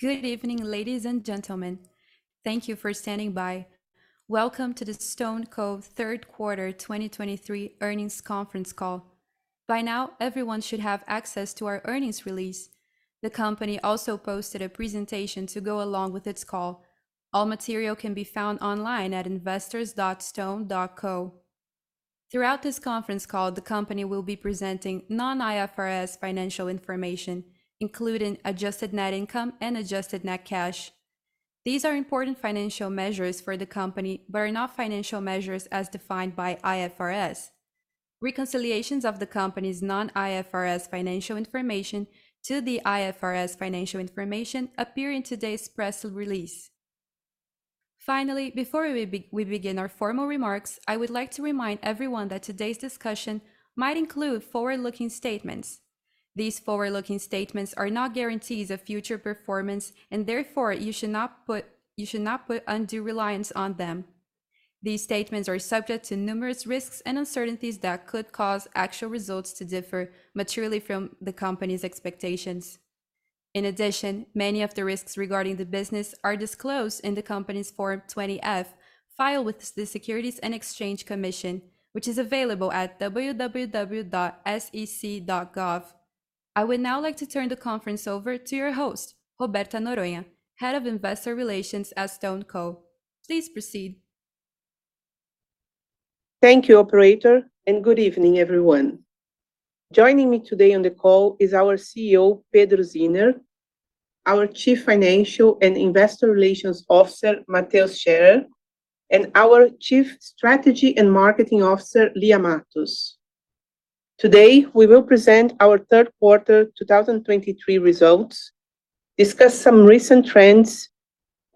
Good evening, ladies and gentlemen. Thank you for standing by. Welcome to the StoneCo Third Quarter 2023 Earnings Conference Call. By now, everyone should have access to our earnings release. The company also posted a presentation to go along with its call. All material can be found online at investors.stone.co. Throughout this conference call, the company will be presenting non-IFRS financial information, including adjusted net income and adjusted net cash. These are important financial measures for the company, but are not financial measures as defined by IFRS. Reconciliations of the company's non-IFRS financial information to the IFRS financial information appear in today's press release. Finally, before we begin our formal remarks, I would like to remind everyone that today's discussion might include forward-looking statements. These forward-looking statements are not guarantees of future performance, and therefore, you should not put undue reliance on them. These statements are subject to numerous risks and uncertainties that could cause actual results to differ materially from the company's expectations. In addition, many of the risks regarding the business are disclosed in the company's Form 20-F, filed with the Securities and Exchange Commission, which is available at www.sec.gov. I would now like to turn the conference over to your host, Roberta Noronha, Head of Investor Relations at StoneCo. Please proceed. Thank you, operator, and good evening, everyone. Joining me today on the call is our CEO, Pedro Zinner, our Chief Financial and Investor Relations Officer, Mateus Scherer, and our Chief Strategy and Marketing Officer, Lia Matos. Today, we will present our third quarter 2023 results, discuss some recent trends,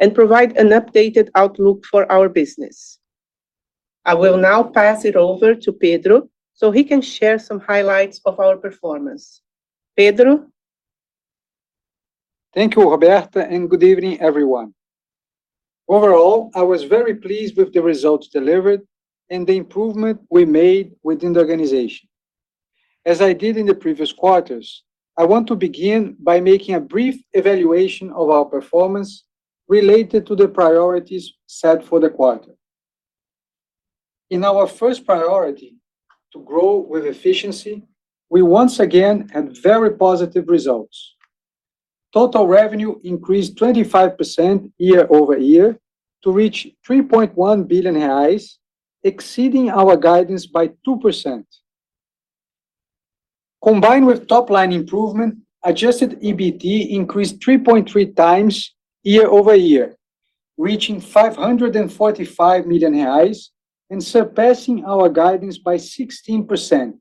and provide an updated outlook for our business. I will now pass it over to Pedro, so he can share some highlights of our performance. Pedro? Thank you, Roberta, and good evening, everyone. Overall, I was very pleased with the results delivered and the improvement we made within the organization. As I did in the previous quarters, I want to begin by making a brief evaluation of our performance related to the priorities set for the quarter. In our first priority, to grow with efficiency, we once again had very positive results. Total revenue increased 25% year-over-year to reach 3.1 billion reais, exceeding our guidance by 2%. Combined with top-line improvement, adjusted EBIT increased 3.3x year-over-year, reaching 545 million reais and surpassing our guidance by 16%.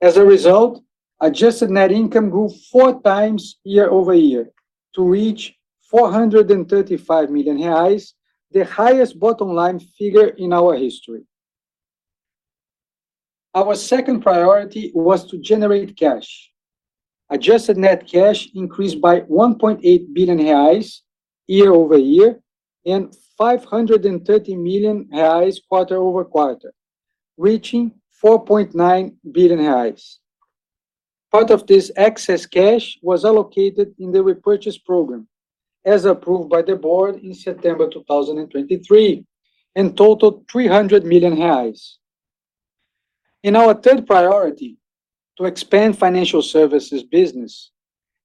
As a result, adjusted net income grew 4x year-over-year to reach 435 million reais, the highest bottom line figure in our history. Our second priority was to generate cash. Adjusted net cash increased by 1.8 billion reais year-over-year and 530 million reais quarter-over-quarter, reaching 4.9 billion reais. Part of this excess cash was allocated in the repurchase program, as approved by the board in September 2023, and totaled 300 million reais. In our third priority, to expand financial services business,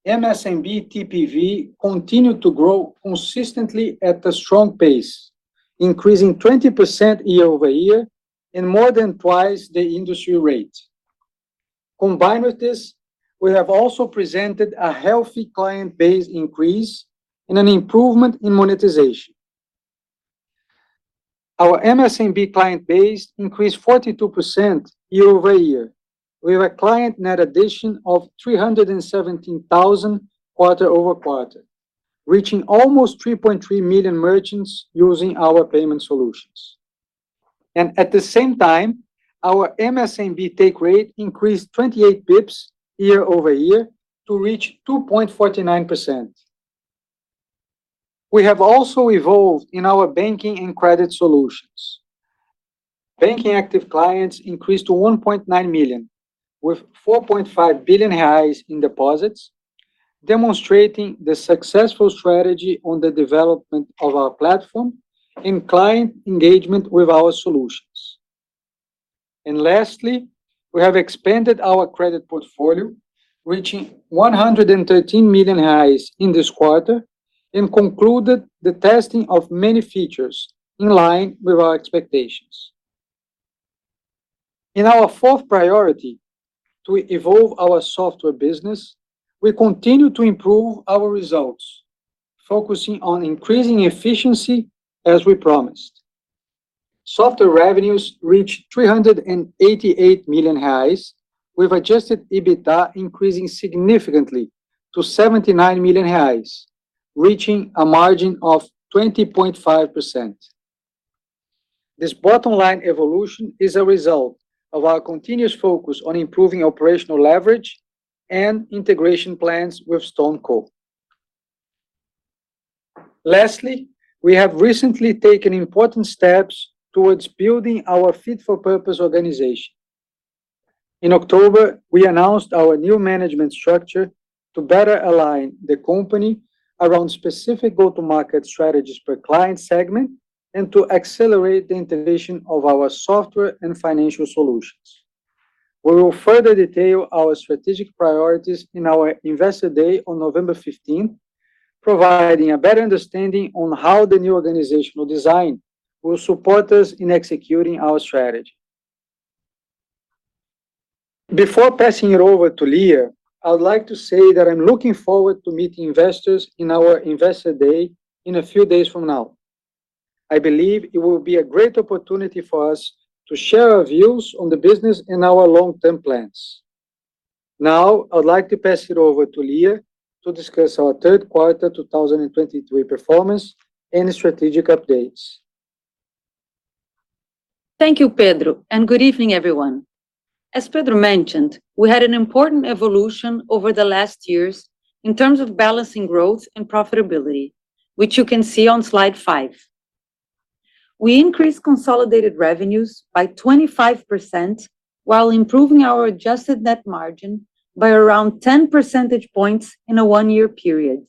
MSMB TPV continued to grow consistently at a strong pace, increasing 20% year-over-year and more than twice the industry rate. Combined with this, we have also presented a healthy client base increase and an improvement in monetization. Our MSMB client base increased 42% year-over-year, with a client net addition of 317,000 quarter-over-quarter, reaching almost 3.3 million merchants using our payment solutions. At the same time, our MSMB take rate increased 28 basis points year-over-year to reach 2.49%. We have also evolved in our banking and credit solutions. Banking active clients increased to 1.9 million, with 4.5 billion reais in deposits, demonstrating the successful strategy on the development of our platform and client engagement with our solutions. And lastly, we have expanded our credit portfolio, reaching 113 million in this quarter, and concluded the testing of many features in line with our expectations. In our fourth priority, to evolve our software business, we continue to improve our results, focusing on increasing efficiency as we promised. Software revenues reached 388 million, with Adjusted EBITDA increasing significantly to 79 million, reaching a margin of 20.5%. This bottom-line evolution is a result of our continuous focus on improving operational leverage and integration plans with StoneCo. Lastly, we have recently taken important steps towards building our fit-for-purpose organization. In October, we announced our new management structure to better align the company around specific go-to-market strategies per client segment, and to accelerate the integration of our software and financial solutions. We will further detail our strategic priorities in our Investor Day on November 15, providing a better understanding on how the new organizational design will support us in executing our strategy. Before passing it over to Lia, I would like to say that I'm looking forward to meeting investors in our Investor Day in a few days from now. I believe it will be a great opportunity for us to share our views on the business and our long-term plans. Now, I would like to pass it over to Lia to discuss our third quarter 2023 performance and strategic updates. Thank you, Pedro, and good evening, everyone. As Pedro mentioned, we had an important evolution over the last years in terms of balancing growth and profitability, which you can see on slide 5. We increased consolidated revenues by 25%, while improving our adjusted net margin by around 10 percentage points in a one year period.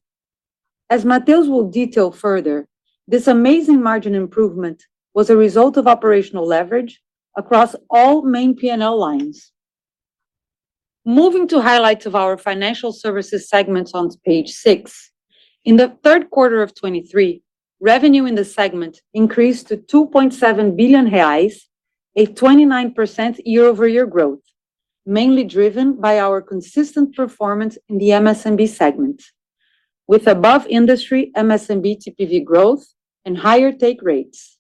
As Mateus will detail further, this amazing margin improvement was a result of operational leverage across all main P&L lines. Moving to highlights of our financial services segments on page 6. In the third quarter of 2023, revenue in the segment increased to 2.7 billion reais, a 29% year-over-year growth, mainly driven by our consistent performance in the MSMB segment, with above industry MSMB TPV growth and higher take rates.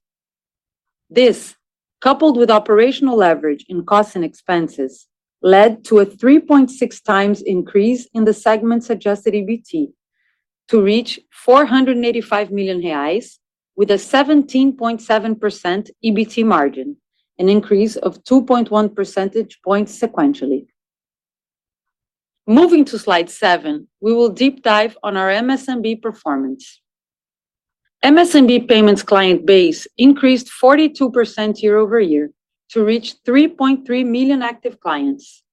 This, coupled with operational leverage in costs and expenses, led to a 3.6 times increase in the segment's Adjusted EBIT to reach 485 million reais, with a 17.7% EBT margin, an increase of 2.1 percentage points sequentially. Moving to slide 7, we will deep dive on our MSMB performance. MSMB payments client base increased 42% year-over-year to reach 3.3 million active clients.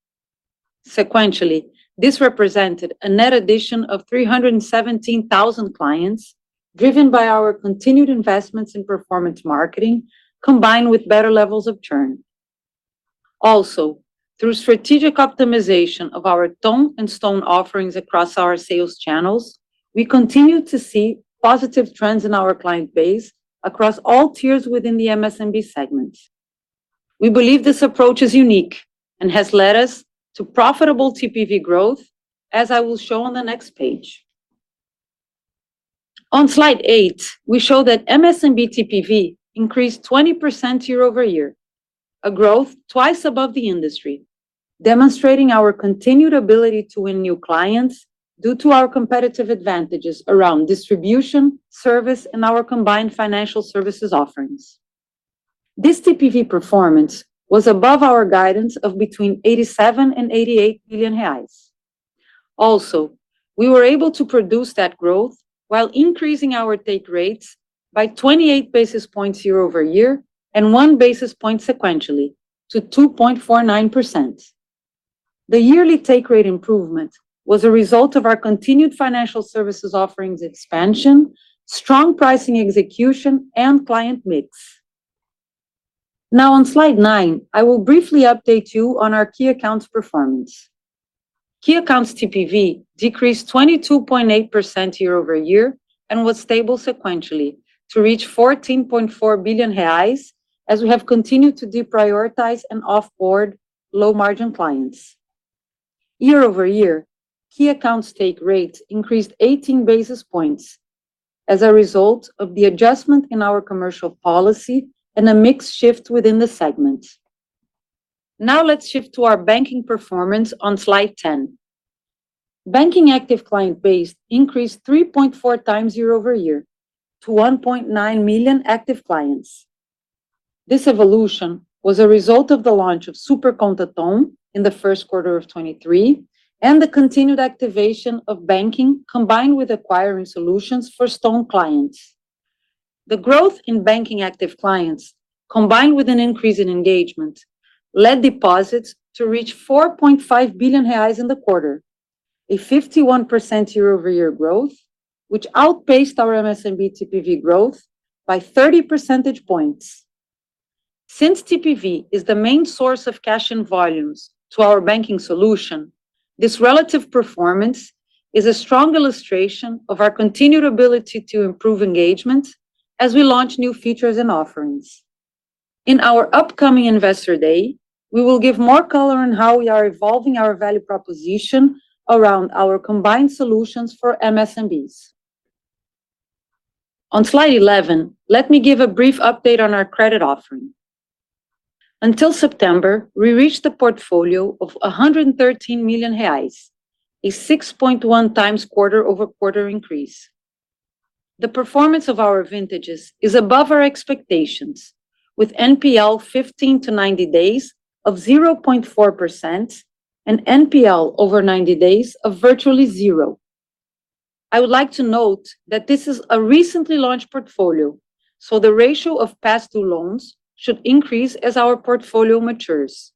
Sequentially, this represented a net addition of 317,000 clients, driven by our continued investments in performance marketing, combined with better levels of churn. Also, through strategic optimization of our Ton and Stone offerings across our sales channels, we continue to see positive trends in our client base across all tiers within the MSMB segment. We believe this approach is unique and has led us to profitable TPV growth, as I will show on the next page. On slide 8, we show that MSMB TPV increased 20% year-over-year, a growth twice above the industry, demonstrating our continued ability to win new clients due to our competitive advantages around distribution, service, and our combined financial services offerings. This TPV performance was above our guidance of between 87 billion and 88 billion. Also, we were able to produce that growth while increasing our take rates by 28 basis points year-over-year, and one basis point sequentially to 2.49%. The yearly take rate improvement was a result of our continued financial services offerings expansion, strong pricing execution, and client mix. Now, on slide 9, I will briefly update you on our key accounts performance. Key accounts TPV decreased 22.8% year-over-year and was stable sequentially to reach 14.4 billion reais, as we have continued to deprioritize and off-board low-margin clients. Year-over-year, key accounts take rates increased 18 basis points as a result of the adjustment in our commercial policy and a mix shift within the segment. Now, let's shift to our banking performance on slide 10. Banking active client base increased 3.4 times year-over-year to 1.9 million active clients. This evolution was a result of the launch of Superconta Ton in the first quarter of 2023, and the continued activation of banking, combined with acquiring solutions for Stone clients. The growth in banking active clients, combined with an increase in engagement, led deposits to reach 4.5 billion reais in the quarter, a 51% year-over-year growth, which outpaced our MSMB TPV growth by 30 percentage points. Since TPV is the main source of cash and volumes to our banking solution, this relative performance is a strong illustration of our continued ability to improve engagement as we launch new features and offerings. In our upcoming Investor Day, we will give more color on how we are evolving our value proposition around our combined solutions for MSMBs. On slide 11, let me give a brief update on our credit offering. Until September, we reached a portfolio of 113 million reais, a 6.1x quarter-over-quarter increase. The performance of our vintages is above our expectations.... with NPL 15-90 days of 0.4%, and NPL over 90 days of virtually zero. I would like to note that this is a recently launched portfolio, so the ratio of past due loans should increase as our portfolio matures.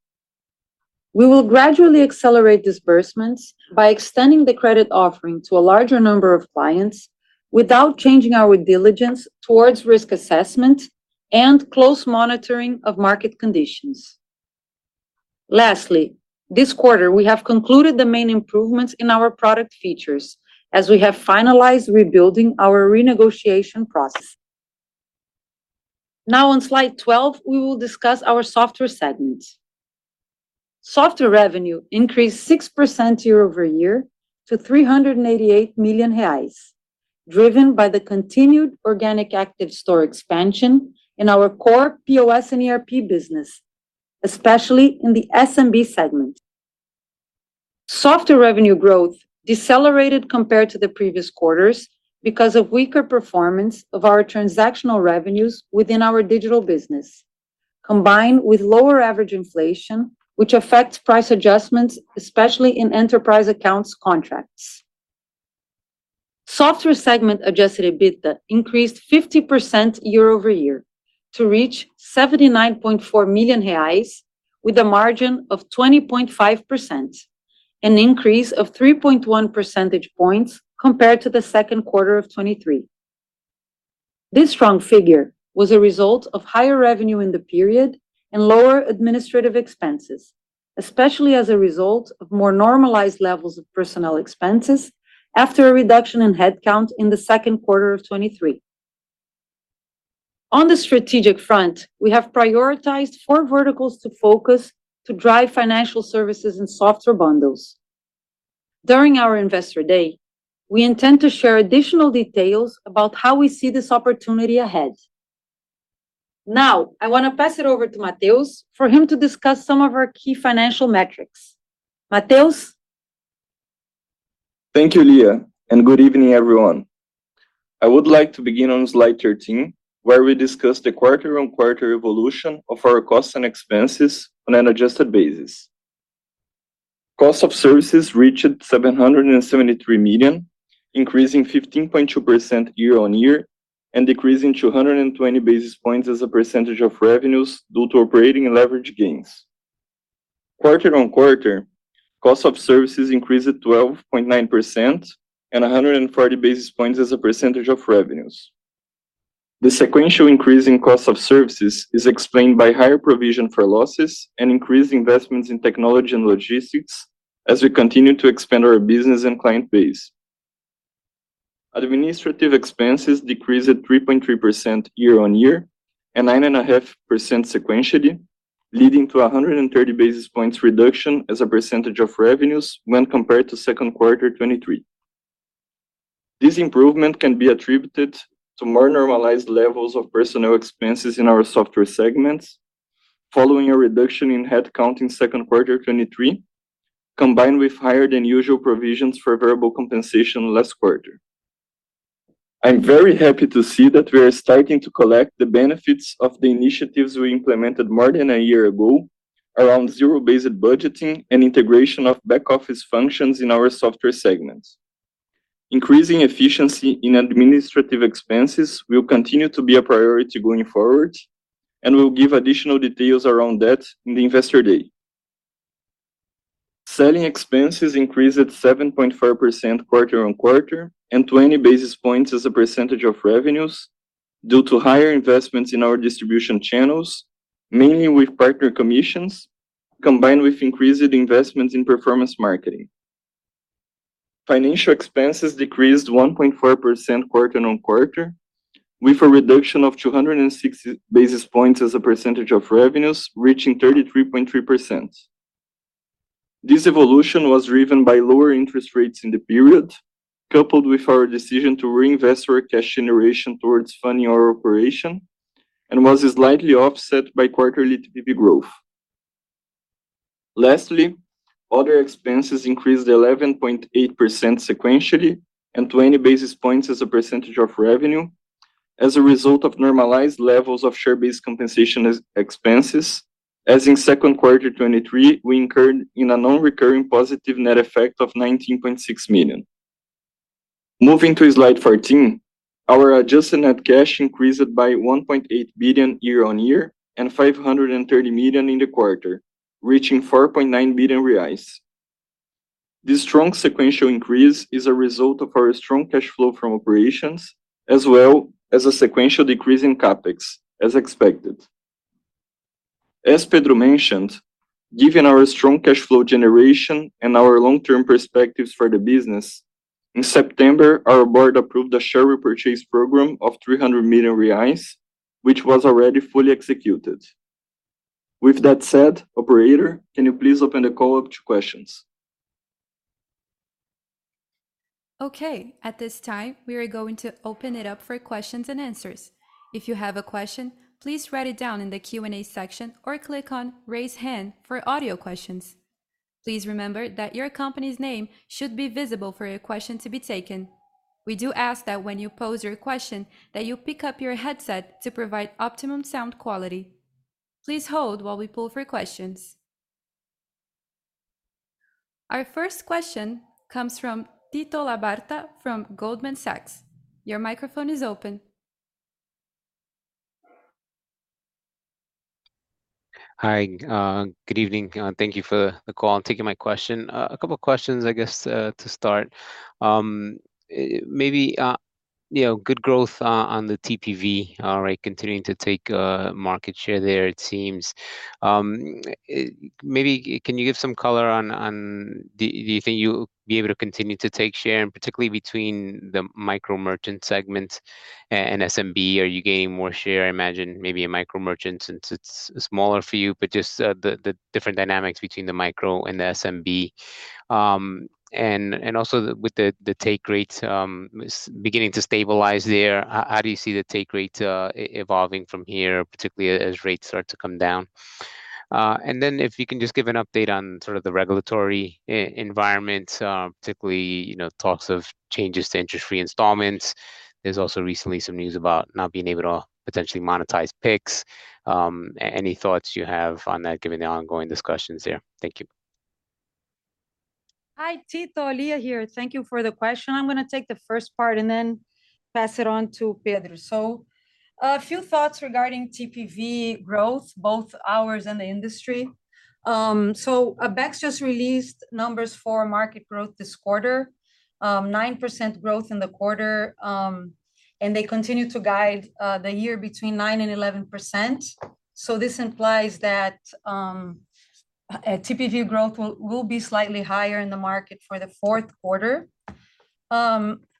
We will gradually accelerate disbursements by extending the credit offering to a larger number of clients, without changing our due diligence towards risk assessment and close monitoring of market conditions. Lastly, this quarter, we have concluded the main improvements in our product features, as we have finalized rebuilding our renegotiation process. Now, on slide 12, we will discuss our software segment. Software revenue increased 6% year-over-year to 388 million reais, driven by the continued organic active store expansion in our core POS and ERP business, especially in the SMB segment. Software revenue growth decelerated compared to the previous quarters because of weaker performance of our transactional revenues within our digital business, combined with lower average inflation, which affects price adjustments, especially in enterprise accounts contracts. Software segment Adjusted EBITDA increased 50% year-over-year to reach 79.4 million reais, with a margin of 20.5%, an increase of 3.1 percentage points compared to the second quarter of 2023. This strong figure was a result of higher revenue in the period and lower administrative expenses, especially as a result of more normalized levels of personnel expenses after a reduction in headcount in the second quarter of 2023. On the strategic front, we have prioritized four verticals to focus to drive financial services and software bundles. During our Investor Day, we intend to share additional details about how we see this opportunity ahead. Now, I wanna pass it over to Mateus for him to discuss some of our key financial metrics. Mateus? Thank you, Lia, and good evening, everyone. I would like to begin on slide 13, where we discuss the quarter-on-quarter evolution of our costs and expenses on an adjusted basis. Cost of services reached 773 million, increasing 15.2% year-on-year, and decreasing 220 basis points as a percentage of revenues due to operating and leverage gains. Quarter-on-quarter, cost of services increased 12.9% and 140 basis points as a percentage of revenues. The sequential increase in cost of services is explained by higher provision for losses and increased investments in technology and logistics as we continue to expand our business and client base. Administrative expenses decreased 3.3% year-on-year, and 9.5% sequentially, leading to a 130 basis points reduction as a percentage of revenues when compared to second quarter 2023. This improvement can be attributed to more normalized levels of personnel expenses in our software segments, following a reduction in headcount in second quarter 2023, combined with higher than usual provisions for variable compensation last quarter. I'm very happy to see that we are starting to collect the benefits of the initiatives we implemented more than a year ago around zero-based budgeting and integration of back office functions in our software segments. Increasing efficiency in administrative expenses will continue to be a priority going forward, and we'll give additional details around that in the Investor Day. Selling expenses increased 7.4% quarter-over-quarter and 20 basis points as a percentage of revenues due to higher investments in our distribution channels, mainly with partner commissions, combined with increased investments in performance marketing. Financial expenses decreased 1.4% quarter-over-quarter, with a reduction of 260 basis points as a percentage of revenues, reaching 33.3%. This evolution was driven by lower interest rates in the period, coupled with our decision to reinvest our cash generation towards funding our operation, and was slightly offset by quarterly TPV growth. Lastly, other expenses increased 11.8% sequentially and 20 basis points as a percentage of revenue, as a result of normalized levels of share-based compensation expenses, as in second quarter 2023, we incurred a non-recurring positive net effect of 19.6 million. Moving to slide 14, our adjusted net cash increased by 1.8 billion year-on-year, and 530 million in the quarter, reaching 4.9 billion reais. This strong sequential increase is a result of our strong cash flow from operations, as well as a sequential decrease in CapEx, as expected. As Pedro mentioned, given our strong cash flow generation and our long-term perspectives for the business, in September, our board approved a share repurchase program of 300 million reais, which was already fully executed. With that said, operator, can you please open the call up to questions? Okay, at this time, we are going to open it up for questions and answers. If you have a question, please write it down in the Q&A section or click on Raise Hand for audio questions. Please remember that your company's name should be visible for your question to be taken. We do ask that when you pose your question, that you pick up your headset to provide optimum sound quality. Please hold while we pull for questions. Our first question comes from Tito Labarta from Goldman Sachs. Your microphone is open. Hi, good evening, and thank you for the call and taking my question. A couple of questions, I guess, to start. Maybe, you know, good growth on the TPV, all right, continuing to take market share there, it seems. Maybe can you give some color on... Do you think you'll be able to continue to take share, and particularly between the micro merchant segments and SMB, are you gaining more share? I imagine maybe in micro merchants since it's smaller for you, but just the different dynamics between the micro and the SMB. And also the take rates is beginning to stabilize there, how do you see the take rate evolving from here, particularly as rates start to come down? And then if you can just give an update on sort of the regulatory environment, particularly, you know, talks of changes to interest-free installments. There's also recently some news about not being able to potentially monetize Pix. Any thoughts you have on that, given the ongoing discussions there? Thank you. Hi, Tito. Lia here. Thank you for the question. I'm gonna take the first part and then pass it on to Pedro. So a few thoughts regarding TPV growth, both ours and the industry. ABECS just released numbers for market growth this quarter, 9% growth in the quarter, and they continue to guide the year between 9% and 11%. So this implies that TPV growth will be slightly higher in the market for the fourth quarter.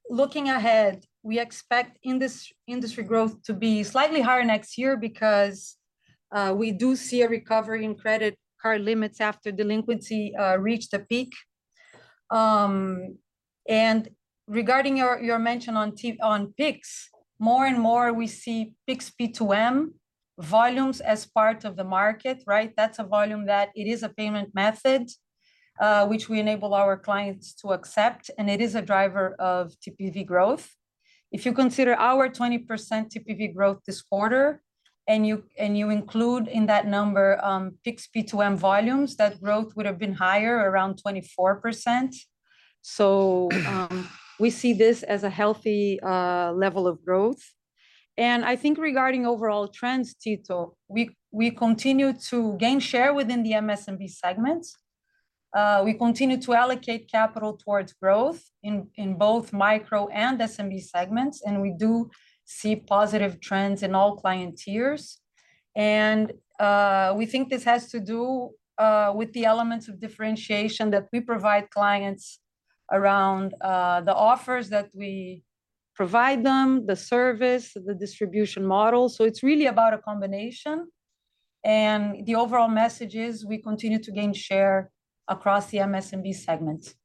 Looking ahead, we expect industry growth to be slightly higher next year because we do see a recovery in credit card limits after delinquency reached a peak. And regarding your mention on Pix, more and more we see Pix P2M volumes as part of the market, right? That's a volume that it is a payment method, which we enable our clients to accept, and it is a driver of TPV growth. If you consider our 20% TPV growth this quarter, and you, and you include in that number, Pix P2M volumes, that growth would have been higher, around 24%. So, we see this as a healthy level of growth. And I think regarding overall trends, Tito, we continue to gain share within the MSMB segment. We continue to allocate capital towards growth in both micro and SMB segments, and we do see positive trends in all client tiers. And, we think this has to do with the elements of differentiation that we provide clients around the offers that we provide them, the service, the distribution model. So it's really about a combination, and the overall message is we continue to gain share across the MSMB segments.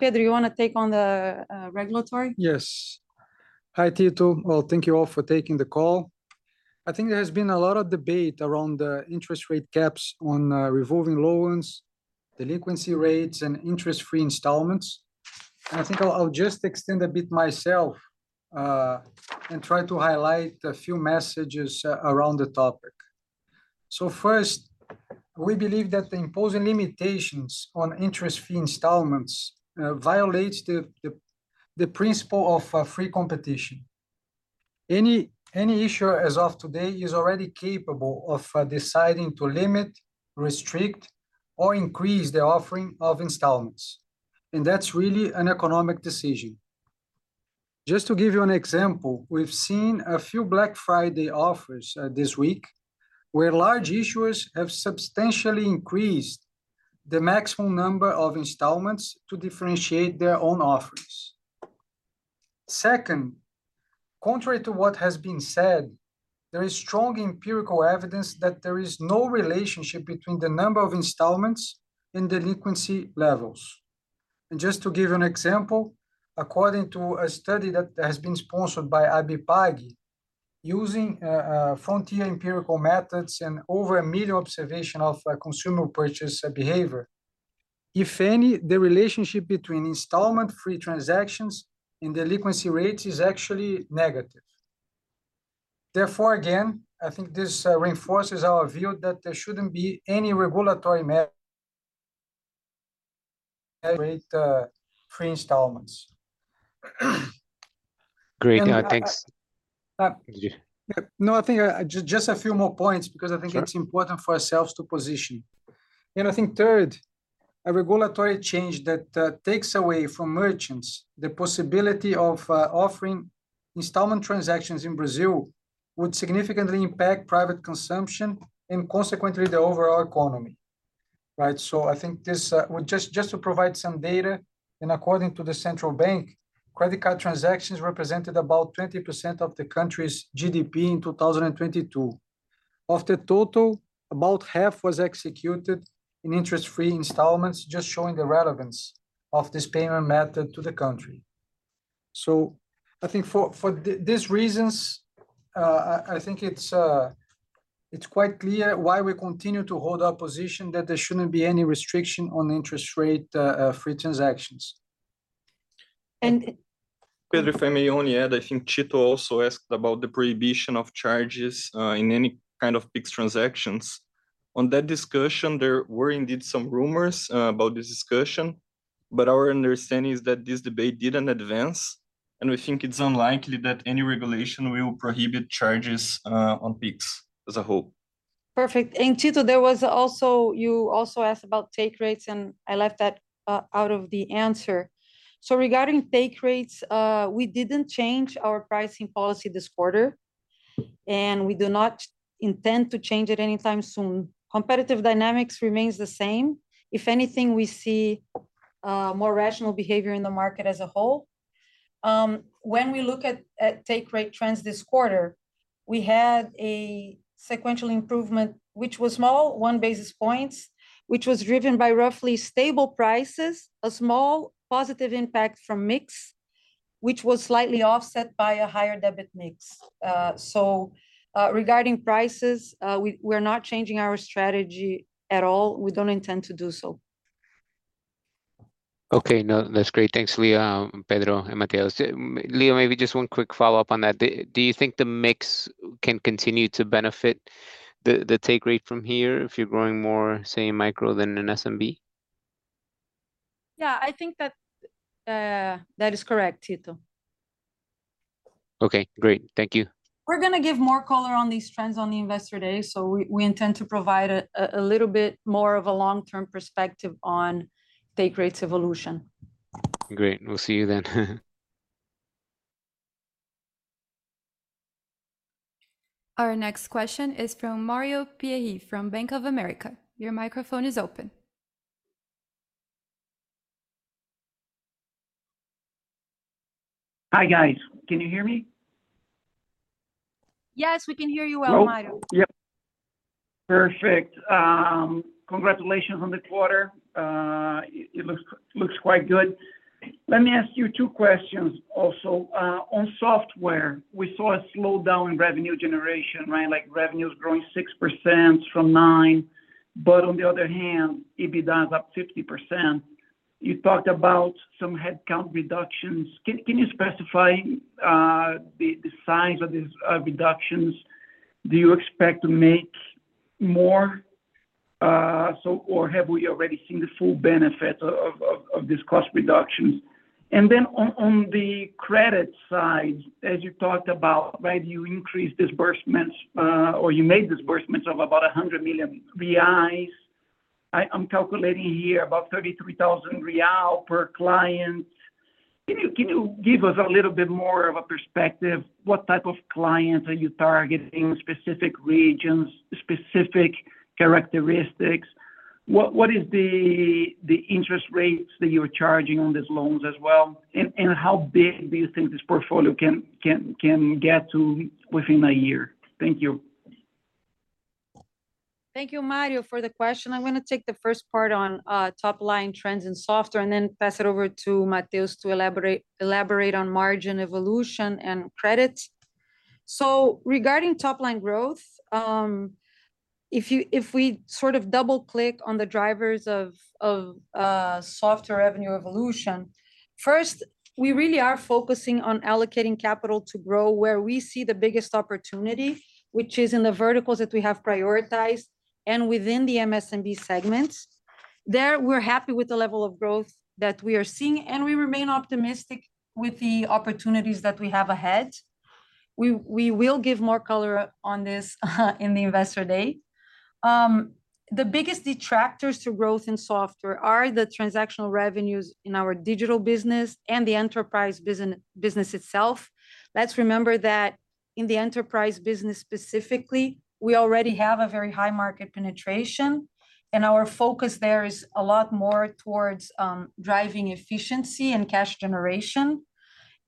Pedro, you wanna take on the regulatory? Yes. Hi, Tito. Well, thank you all for taking the call. I think there has been a lot of debate around the interest rate caps on revolving loans, delinquency rates, and interest-free installments. And I think I'll just extend a bit myself and try to highlight a few messages around the topic. So first, we believe that imposing limitations on interest-free installments violates the principle of free competition. Any issuer, as of today, is already capable of deciding to limit, restrict, or increase their offering of installments, and that's really an economic decision. Just to give you an example, we've seen a few Black Friday offers this week, where large issuers have substantially increased the maximum number of installments to differentiate their own offerings. Second, contrary to what has been said, there is strong empirical evidence that there is no relationship between the number of installments and delinquency levels. And just to give you an example, according to a study that has been sponsored by ABIPAG, using frontier empirical methods and over 1 million observations of consumer purchase behavior, if any, the relationship between installment-free transactions and delinquency rates is actually negative. Therefore, again, I think this reinforces our view that there shouldn't be any regulatory measure free installments. Great. Thanks. No, I think, just, just a few more points because I think- Sure It's important for ourselves to position. And I think third, a regulatory change that takes away from merchants the possibility of offering installment transactions in Brazil would significantly impact private consumption and consequently the overall economy, right? So I think this... Well, just to provide some data, and according to the central bank, credit card transactions represented about 20% of the country's GDP in 2022. Of the total, about half was executed in interest-free installments, just showing the relevance of this payment method to the country. So I think for these reasons, I think it's quite clear why we continue to hold our position that there shouldn't be any restriction on interest rate free transactions. And- Pedro, if I may only add, I think Tito also asked about the prohibition of charges in any kind of Pix transactions. On that discussion, there were indeed some rumors about this discussion, but our understanding is that this debate didn't advance, and we think it's unlikely that any regulation will prohibit charges on Pix as a whole. Perfect. And Tito, there was also—you also asked about take rates, and I left that out of the answer. So regarding take rates, we didn't change our pricing policy this quarter, and we do not intend to change it anytime soon. Competitive dynamics remains the same. If anything, we see more rational behavior in the market as a whole. When we look at take rate trends this quarter, we had a sequential improvement, which was small, one basis points, which was driven by roughly stable prices, a small positive impact from mix, which was slightly offset by a higher debit mix. So, regarding prices, we're not changing our strategy at all. We don't intend to do so. Okay, no, that's great. Thanks, Lia, Pedro, and Mateus. Lia, maybe just one quick follow-up on that. Do you think the mix can continue to benefit the take rate from here if you're growing more, say, in micro than in SMB? Yeah, I think that, that is correct, Tito. Okay, great. Thank you. We're gonna give more color on these trends on the Investor Day, so we intend to provide a little bit more of a long-term perspective on take rates evolution. Great. We'll see you then. Our next question is from Mario Pierry from Bank of America. Your microphone is open. Hi, guys. Can you hear me? Yes, we can hear you well, Mario. Yep. Perfect. Congratulations on the quarter. It looks quite good. Let me ask you two questions also. On software, we saw a slowdown in revenue generation, right? Like, revenue is growing 6% from 9%, but on the other hand, EBITDA is up 50%. You talked about some headcount reductions. Can you specify the size of these reductions? Do you expect to make more or have we already seen the full benefit of this cost reductions? And then on the credit side, as you talked about, right, you increased disbursements or you made disbursements of about 100 million reais. I'm calculating here about 33,000 real per client. Can you give us a little bit more of a perspective, what type of clients are you targeting, specific regions, specific characteristics? What is the interest rates that you're charging on these loans as well, and how big do you think this portfolio can get to within a year? Thank you. Thank you, Mario, for the question. I'm gonna take the first part on top-line trends in software and then pass it over to Mateus to elaborate on margin evolution and credit. So regarding top-line growth, if we sort of double-click on the drivers of software revenue evolution, first, we really are focusing on allocating capital to grow where we see the biggest opportunity, which is in the verticals that we have prioritized and within the MSMB segments. There, we're happy with the level of growth that we are seeing, and we remain optimistic with the opportunities that we have ahead. We will give more color on this in the Investor Day. The biggest detractors to growth in software are the transactional revenues in our digital business and the enterprise business itself. Let's remember that in the enterprise business specifically, we already have a very high market penetration, and our focus there is a lot more towards driving efficiency and cash generation.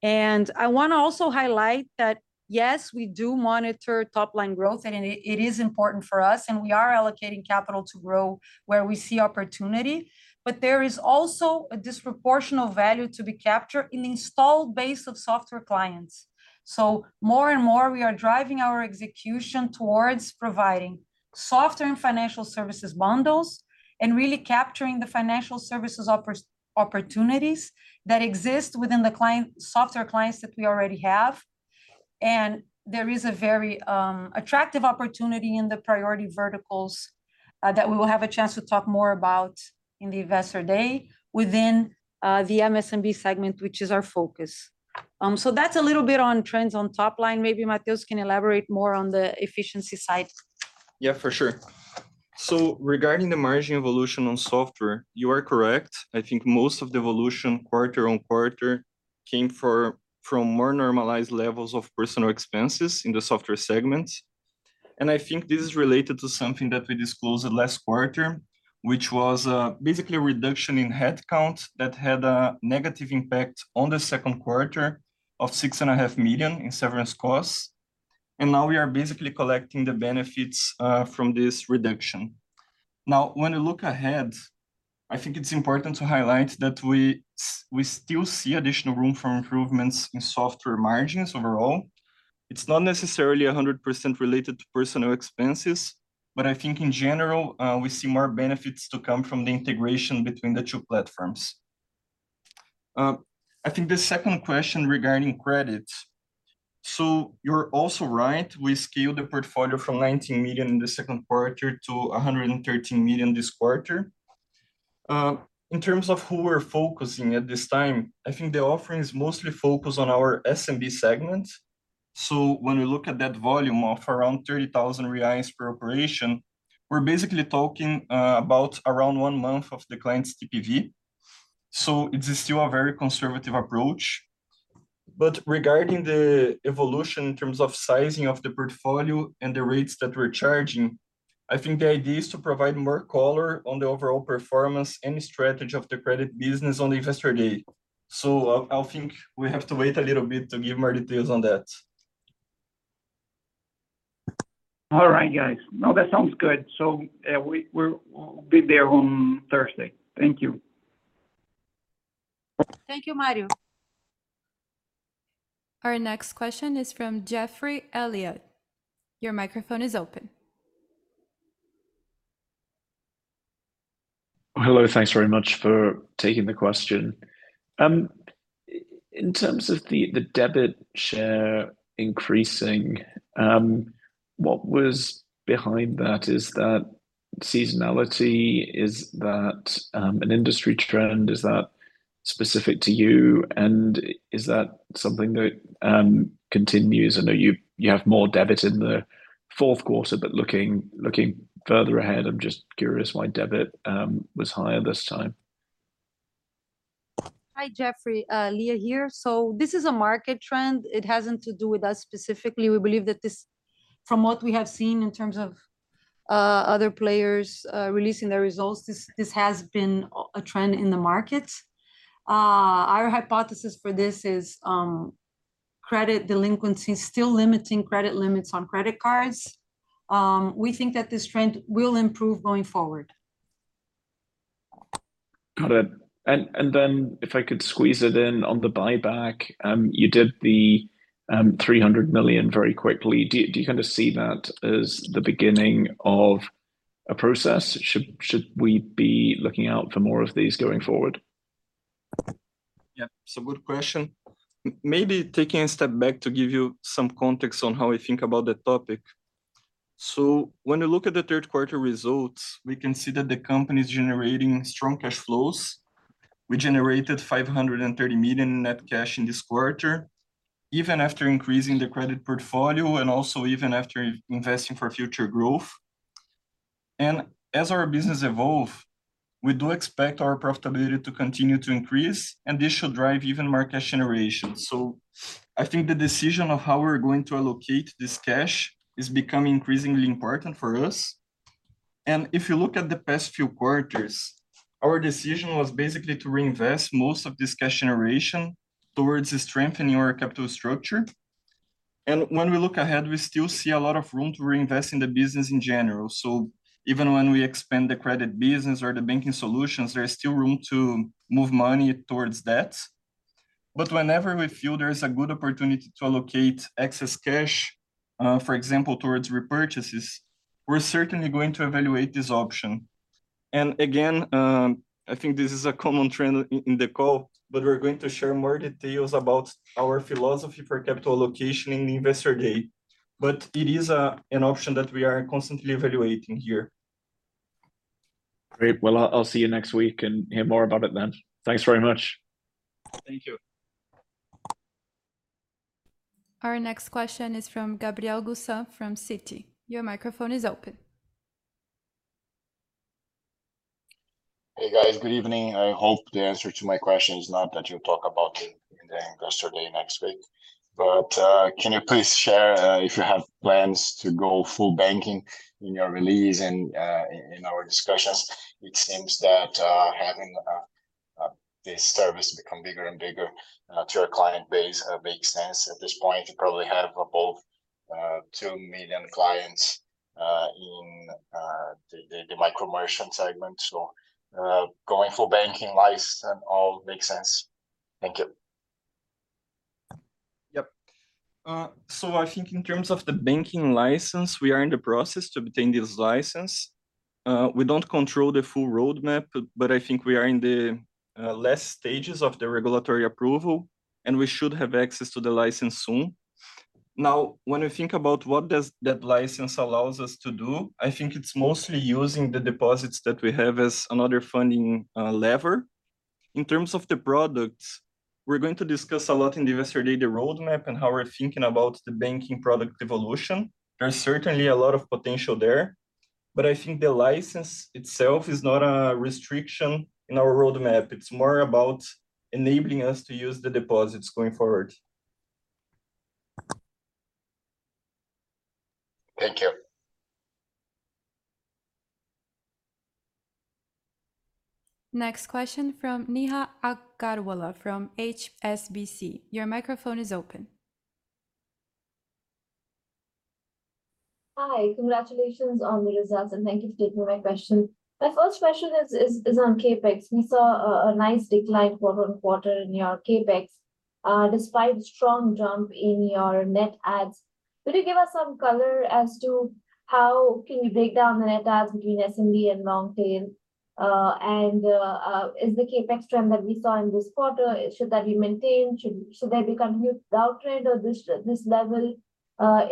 I want to also highlight that, yes, we do monitor top-line growth, and it is important for us, and we are allocating capital to grow where we see opportunity, but there is also a disproportional value to be captured in the installed base of software clients. More and more, we are driving our execution towards providing software and financial services bundles and really capturing the financial services opportunities that exist within the software clients that we already have. And there is a very attractive opportunity in the priority verticals that we will have a chance to talk more about in the Investor Day within the MSMB segment, which is our focus. That's a little bit on trends on top line. Maybe Mateus can elaborate more on the efficiency side. Yeah, for sure. So regarding the margin evolution on software, you are correct. I think most of the evolution quarter-over-quarter came from more normalized levels of personal expenses in the software segments. And I think this is related to something that we disclosed last quarter, which was basically a reduction in headcount that had a negative impact on the second quarter of 6.5 million in severance costs. And now we are basically collecting the benefits from this reduction. Now, when we look ahead, I think it's important to highlight that we still see additional room for improvements in software margins overall. It's not necessarily 100% related to personal expenses, but I think in general we see more benefits to come from the integration between the two platforms. I think the second question regarding credits. So you're also right, we scaled the portfolio from 19 million BRL in the second quarter to 113 million BRL this quarter. In terms of who we're focusing at this time, I think the offering is mostly focused on our SMB segment. So when we look at that volume of around 30,000 reais per operation, we're basically talking about around one month of the client's TPV. So it is still a very conservative approach. But regarding the evolution in terms of sizing of the portfolio and the rates that we're charging, I think the idea is to provide more color on the overall performance and strategy of the credit business on the Investor Day. So I think we have to wait a little bit to give more details on that. All right, guys. No, that sounds good. So, we're, we'll be there on Thursday. Thank you. Thank you, Mario. Our next question is from Geoffrey Elliott. Your microphone is open. Hello, thanks very much for taking the question. In terms of the debit share increasing, what was behind that? Is that seasonality? Is that an industry trend? Is that specific to you, and is that something that continues? I know you have more debit in the fourth quarter, but looking further ahead, I'm just curious why debit was higher this time. Hi, Geoffrey, Lia here. So this is a market trend. It hasn't to do with us specifically. We believe that this... From what we have seen in terms of, other players, releasing their results, this, this has been a trend in the market. Our hypothesis for this is, credit delinquency, still limiting credit limits on credit cards. We think that this trend will improve going forward. Got it. And then if I could squeeze it in on the buyback, you did the 300 million very quickly. Do you kind of see that as the beginning of a process? Should we be looking out for more of these going forward? Yeah, it's a good question. Maybe taking a step back to give you some context on how we think about the topic. So when we look at the third quarter results, we can see that the company is generating strong cash flows. We generated 530 million net cash in this quarter, even after increasing the credit portfolio and also even after investing for future growth. As our business evolve, we do expect our profitability to continue to increase, and this should drive even more cash generation. So I think the decision of how we're going to allocate this cash is becoming increasingly important for us. If you look at the past few quarters, our decision was basically to reinvest most of this cash generation towards strengthening our capital structure. When we look ahead, we still see a lot of room to reinvest in the business in general. Even when we expand the credit business or the banking solutions, there is still room to move money towards that. But whenever we feel there is a good opportunity to allocate excess cash, for example, towards repurchases, we're certainly going to evaluate this option. I think this is a common trend in the call, but we're going to share more details about our philosophy for capital allocation in the Investor Day. But it is an option that we are constantly evaluating here. Great! Well, I'll, I'll see you next week and hear more about it then. Thanks very much. Thank you. Our next question is from Gabriel Gusan from Citi. Your microphone is open. Hey, guys. Good evening. I hope the answer to my question is not that you'll talk about it in the Investor Day next week. But can you please share if you have plans to go full banking in your release? And in our discussions, it seems that having this service become bigger and bigger to our client base makes sense. At this point, you probably have about two million clients in the micro merchant segment, so going full banking license and all makes sense. Thank you. Yep. So I think in terms of the banking license, we are in the process to obtain this license. We don't control the full roadmap, but I think we are in the last stages of the regulatory approval, and we should have access to the license soon. Now, when we think about what does that license allows us to do, I think it's mostly using the deposits that we have as another funding lever. In terms of the products, we're going to discuss a lot in the Investor Day, the roadmap and how we're thinking about the banking product evolution. There's certainly a lot of potential there, but I think the license itself is not a restriction in our roadmap. It's more about enabling us to use the deposits going forward. Thank you. Next question from Neha Agarwala from HSBC. Your microphone is open. Hi, congratulations on the results, and thank you for taking my question. My first question is on CapEx. We saw a nice decline quarter-over-quarter in your CapEx, despite strong jump in your net adds. Could you give us some color as to how you can break down the net adds between SMB and long tail? Is the CapEx trend that we saw in this quarter, should that be maintained, should that become your downtrend or this level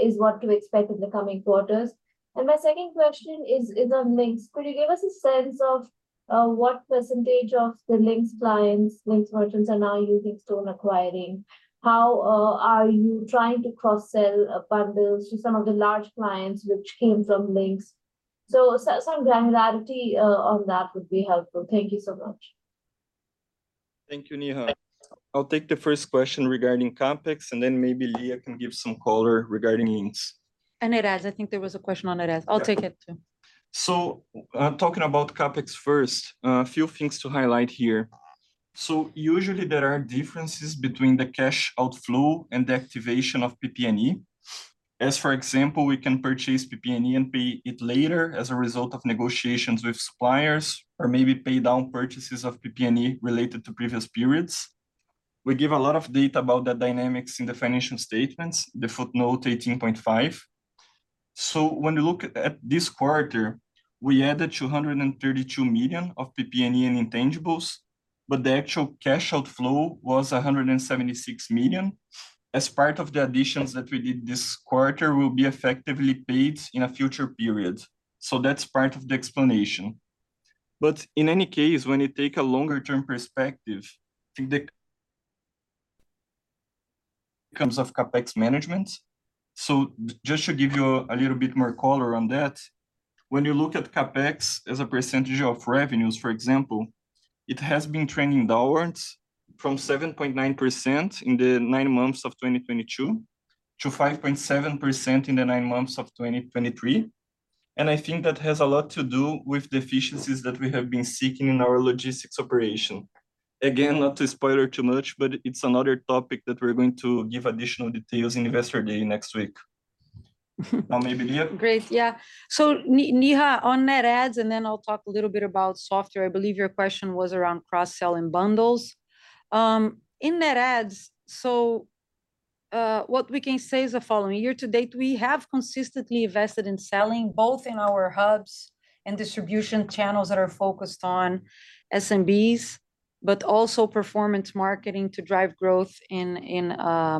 is what to expect in the coming quarters? And my second question is on Linx. Could you give us a sense of what percentage of the Linx clients, Linx merchants are now using Stone acquiring? How are you trying to cross-sell bundles to some of the large clients which came from Linx? Some granularity on that would be helpful. Thank you so much. Thank you, Neha. I'll take the first question regarding CapEx, and then maybe Lia can give some color regarding Linx. It adds. I think there was a question on add-ons. I'll take it too. So, talking about CapEx first, a few things to highlight here. So usually there are differences between the cash outflow and the activation of PP&E. As for example, we can purchase PP&E and pay it later as a result of negotiations with suppliers, or maybe pay down purchases of PP&E related to previous periods. We give a lot of data about the dynamics in the financial statements, the footnote 18.5. So when you look at this quarter, we added 232 million of PP&E and intangibles, but the actual cash outflow was 176 million, as part of the additions that we did this quarter will be effectively paid in a future period. So that's part of the explanation. But in any case, when you take a longer-term perspective, I think the... comes of CapEx management. So just to give you a little bit more color on that, when you look at CapEx as a percentage of revenues, for example, it has been trending downwards from 7.9% in the nine months of 2022 to 5.7% in the nine months of 2023, and I think that has a lot to do with the efficiencies that we have been seeking in our logistics operation. Again, not to spoiler too much, but it's another topic that we're going to give additional details in Investor Day next week. Now, maybe Lia? Great, yeah. So Neha, on net adds, and then I'll talk a little bit about software. I believe your question was around cross-sell and bundles. In net adds, what we can say is the following: year to date, we have consistently invested in selling both in our hubs and distribution channels that are focused on SMBs, but also performance marketing to drive growth in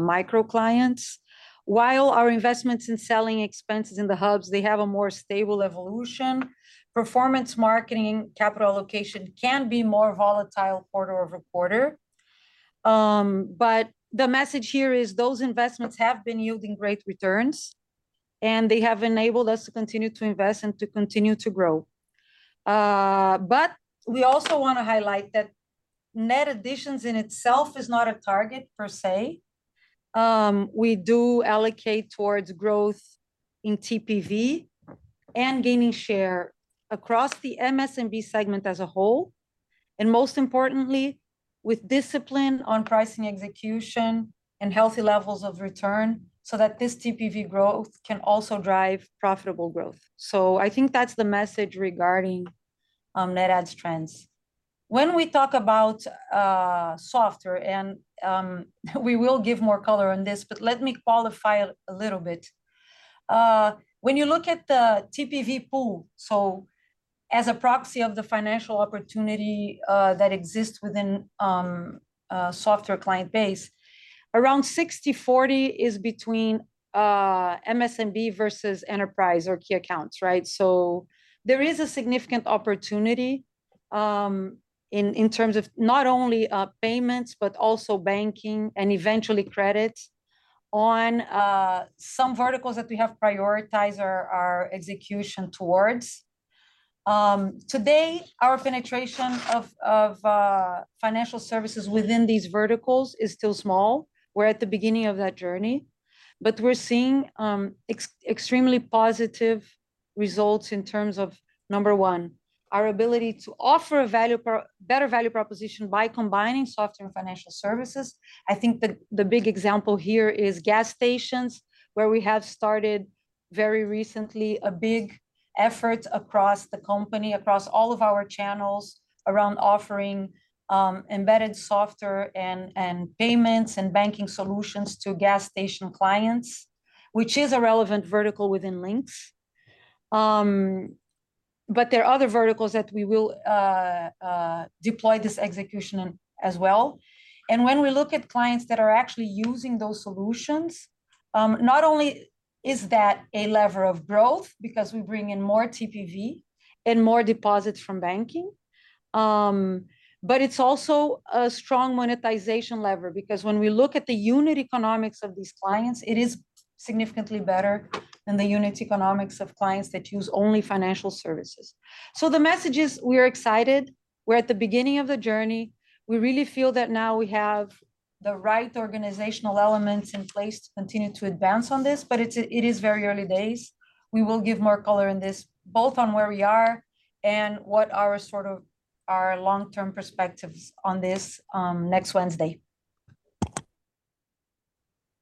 micro clients. While our investments in selling expenses in the hubs, they have a more stable evolution, performance marketing, capital allocation can be more volatile quarter over quarter. But the message here is those investments have been yielding great returns, and they have enabled us to continue to invest and to continue to grow. But we also wanna highlight that net additions in itself is not a target per se. We do allocate towards growth in TPV and gaining share across the MSMB segment as a whole, and most importantly, with discipline on pricing execution and healthy levels of return, so that this TPV growth can also drive profitable growth. So I think that's the message regarding net adds trends. When we talk about software, and we will give more color on this, but let me qualify a little bit. When you look at the TPV pool, so as a proxy of the financial opportunity that exists within a software client base, around 60/40 is between MSMB versus enterprise or Key Accounts, right? So there is a significant opportunity in terms of not only payments, but also banking and eventually credit on some verticals that we have prioritized our execution towards. Today, our penetration of financial services within these verticals is still small. We're at the beginning of that journey. But we're seeing extremely positive results in terms of, number one, our ability to offer a better value proposition by combining software and financial services. I think the big example here is gas stations, where we have started very recently a big effort across the company, across all of our channels, around offering embedded software and payments and banking solutions to gas station clients, which is a relevant vertical within Linx. But there are other verticals that we will deploy this execution on as well. When we look at clients that are actually using those solutions, not only is that a lever of growth because we bring in more TPV and more deposits from banking, but it's also a strong monetization lever. Because when we look at the unit economics of these clients, it is significantly better than the unit economics of clients that use only financial services. The message is, we are excited. We're at the beginning of the journey. We really feel that now we have the right organizational elements in place to continue to advance on this, but it is very early days. We will give more color in this, both on where we are and our long-term perspectives on this, next Wednesday.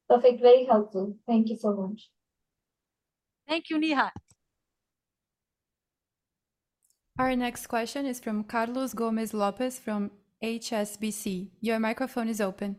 Perfect. Very helpful. Thank you so much. Thank you, Neha. Our next question is from Carlos Gomez-Lopez from HSBC. Your microphone is open.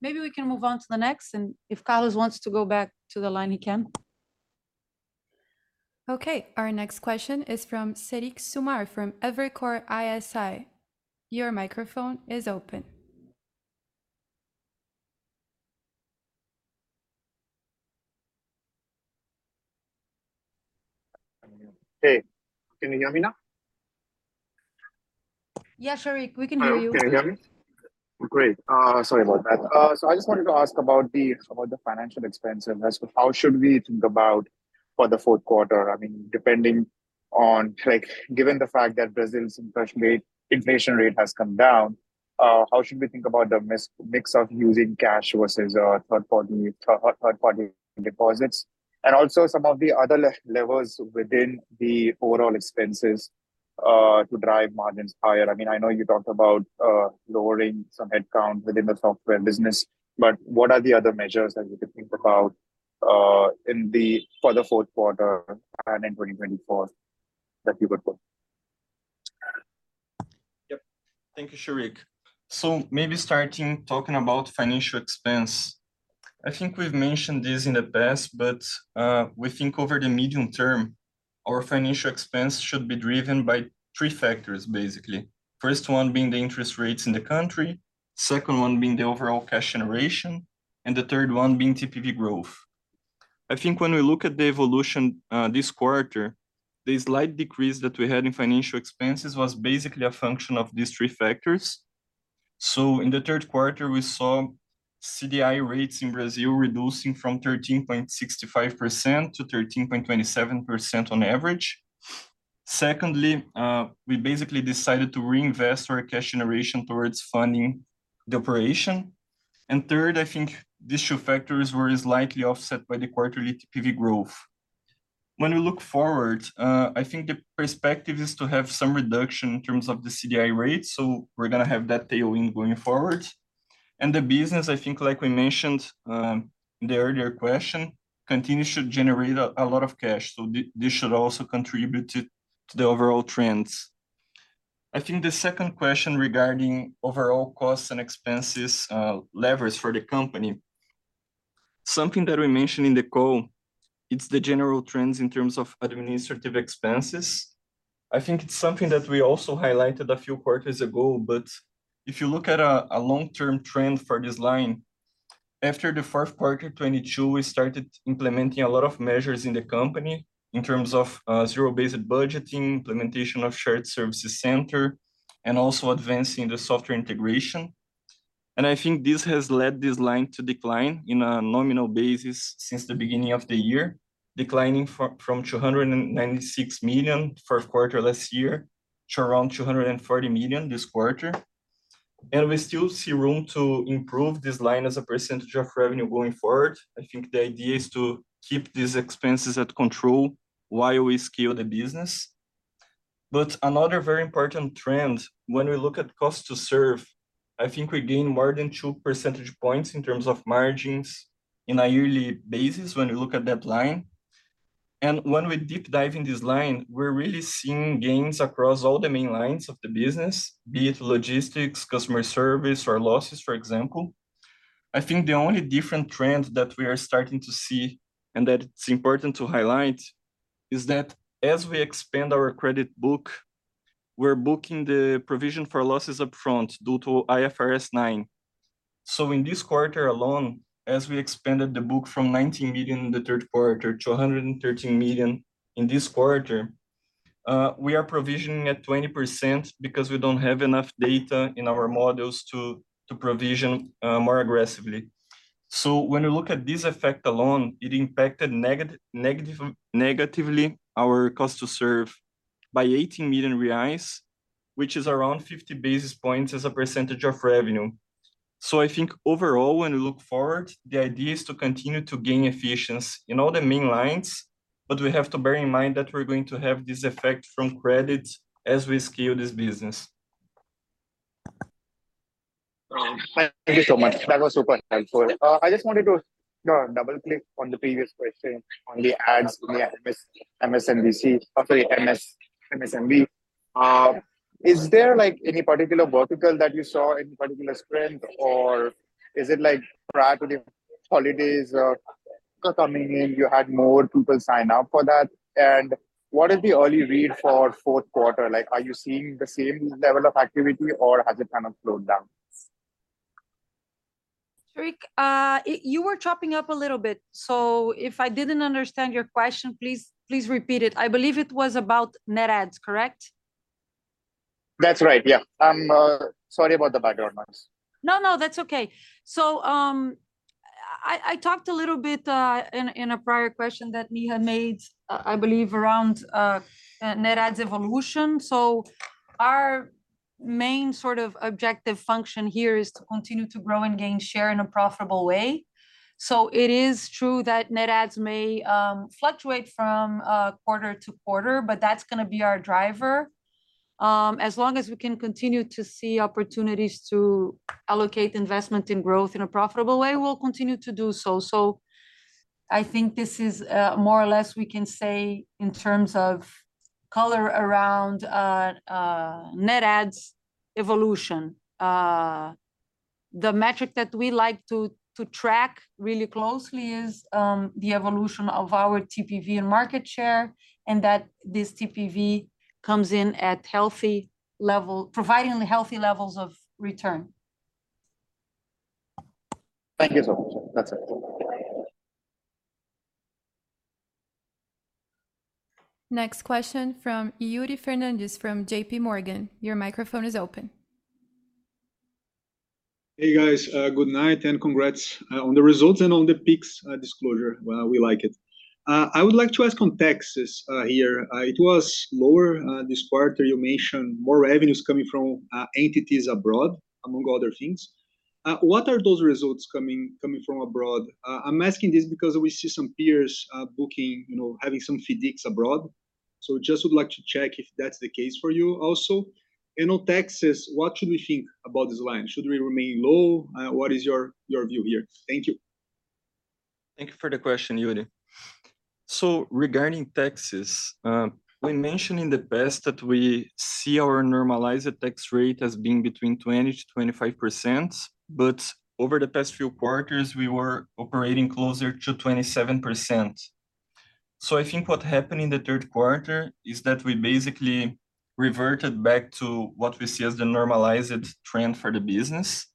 Maybe we can move on to the next, and if Carlos wants to go back to the line, he can. Okay, our next question is from Sheriq Sumar from Evercore ISI. Your microphone is open. Hey, can you hear me now? Yeah, Sharik, we can hear you. Okay, can you hear me? Great. Sorry about that. So I just wanted to ask about the financial expense and as to how should we think about for the fourth quarter. I mean, depending on, like, given the fact that Brazil's inflation rate, inflation rate has come down, how should we think about the mix of using cash versus third-party deposits? And also some of the other levels within the overall expenses to drive margins higher. I mean, I know you talked about lowering some headcount within the software business, but what are the other measures that you can think about for the fourth quarter and in 2024 that you would put? Yep. Thank you, Sharik. So maybe starting talking about financial expense. I think we've mentioned this in the past, but, we think over the medium term, our financial expense should be driven by three factors, basically. First one being the interest rates in the country, second one being the overall cash generation, and the third one being TPV growth. I think when we look at the evolution, this quarter, the slight decrease that we had in financial expenses was basically a function of these three factors. So in the third quarter, we saw CDI rates in Brazil reducing from 13.65% to 13.27% on average. Secondly, we basically decided to reinvest our cash generation towards funding the operation. And third, I think these two factors were slightly offset by the quarterly TPV growth. When we look forward, I think the perspective is to have some reduction in terms of the CDI rate, so we're gonna have that tailwind going forward. And the business, I think, like we mentioned in the earlier question, continues to generate a lot of cash, so this should also contribute to the overall trends. I think the second question regarding overall costs and expenses, levers for the company, something that we mentioned in the call, it's the general trends in terms of administrative expenses. I think it's something that we also highlighted a few quarters ago, but if you look at a long-term trend for this line, after the fourth quarter of 2022, we started implementing a lot of measures in the company in terms of zero-based budgeting, implementation of shared services center, and also advancing the software integration. I think this has led this line to decline on a nominal basis since the beginning of the year, declining from 296 million, first quarter last year, to around 240 million this quarter. And we still see room to improve this line as a percentage of revenue going forward. I think the idea is to keep these expenses at control while we scale the business. But another very important trend, when we look at cost to serve, I think we gain more than two percentage points in terms of margins on a yearly basis when we look at that line. And when we deep dive in this line, we're really seeing gains across all the main lines of the business, be it logistics, customer service or losses, for example. I think the only different trend that we are starting to see, and that it's important to highlight, is that as we expand our credit book, we're booking the provision for losses upfront due to IFRS 9. So in this quarter alone, as we expanded the book from 19 million in the third quarter to 113 million in this quarter, we are provisioning at 20% because we don't have enough data in our models to provision more aggressively. So when we look at this effect alone, it impacted negatively our cost to serve by 18 million reais, which is around 50 basis points as a percentage of revenue. I think overall, when we look forward, the idea is to continue to gain efficiency in all the main lines, but we have to bear in mind that we're going to have this effect from credit as we scale this business. Thank you so much. That was super helpful. I just wanted to double-click on the previous question on the ads in the MSMB. Is there, like, any particular vertical that you saw any particular strength, or is it like prior to the holidays coming in, you had more people sign up for that? And what is the early read for fourth quarter? Like, are you seeing the same level of activity or has it kind of slowed down? Sharik, you were chopping up a little bit, so if I didn't understand your question, please, please repeat it. I believe it was about net ads, correct? That's right, yeah. Sorry about the background noise. No, no, that's okay. So, I talked a little bit in a prior question that Neha made, I believe around net adds evolution. So our main sort of objective function here is to continue to grow and gain share in a profitable way. So it is true that net adds may fluctuate from quarter to quarter, but that's gonna be our driver. As long as we can continue to see opportunities to allocate investment in growth in a profitable way, we'll continue to do so. So I think this is more or less we can say in terms of color around net adds evolution. The metric that we like to track really closely is the evolution of our TPV and market share, and that this TPV comes in at healthy level, providing healthy levels of return. Thank you so much. That's it. Next question from Yuri Fernandes from JP Morgan. Your microphone is open. Hey, guys. Good night, and congrats on the results and on the Pix disclosure. Well, we like it. I would like to ask on taxes here. It was lower this quarter. You mentioned more revenues coming from entities abroad, among other things. What are those results coming from abroad? I'm asking this because we see some peers booking, you know, having some FIDCs abroad. So just would like to check if that's the case for you also. And on taxes, what should we think about this line? Should we remain low? What is your view here? Thank you. Thank you for the question, Yuri. So regarding taxes, we mentioned in the past that we see our normalized tax rate as being between 20%-25%, but over the past few quarters, we were operating closer to 27%. So I think what happened in the third quarter is that we basically reverted back to what we see as the normalized trend for the business.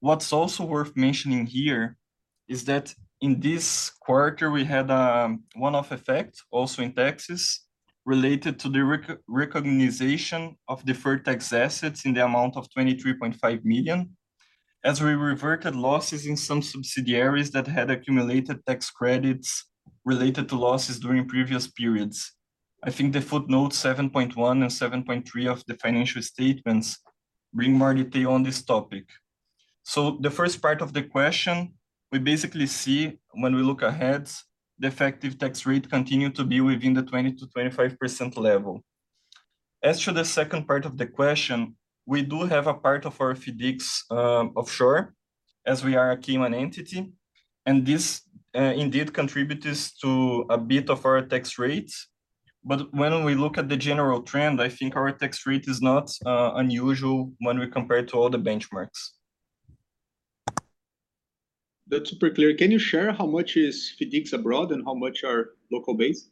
What's also worth mentioning here is that in this quarter, we had one-off effect also in taxes related to the recognition of deferred tax assets in the amount of 23.5 million, as we reverted losses in some subsidiaries that had accumulated tax credits related to losses during previous periods. I think the footnote 7.1% and 7.3% of the financial statements bring more detail on this topic. So the first part of the question, we basically see when we look ahead, the effective tax rate continue to be within the 20%-25% level. As to the second part of the question, we do have a part of our FIDCs offshore, as we are a Cayman entity, and this indeed contributes to a bit of our tax rates. But when we look at the general trend, I think our tax rate is not unusual when we compare to all the benchmarks. That's super clear. Can you share how much is FIDCs abroad and how much are local-based?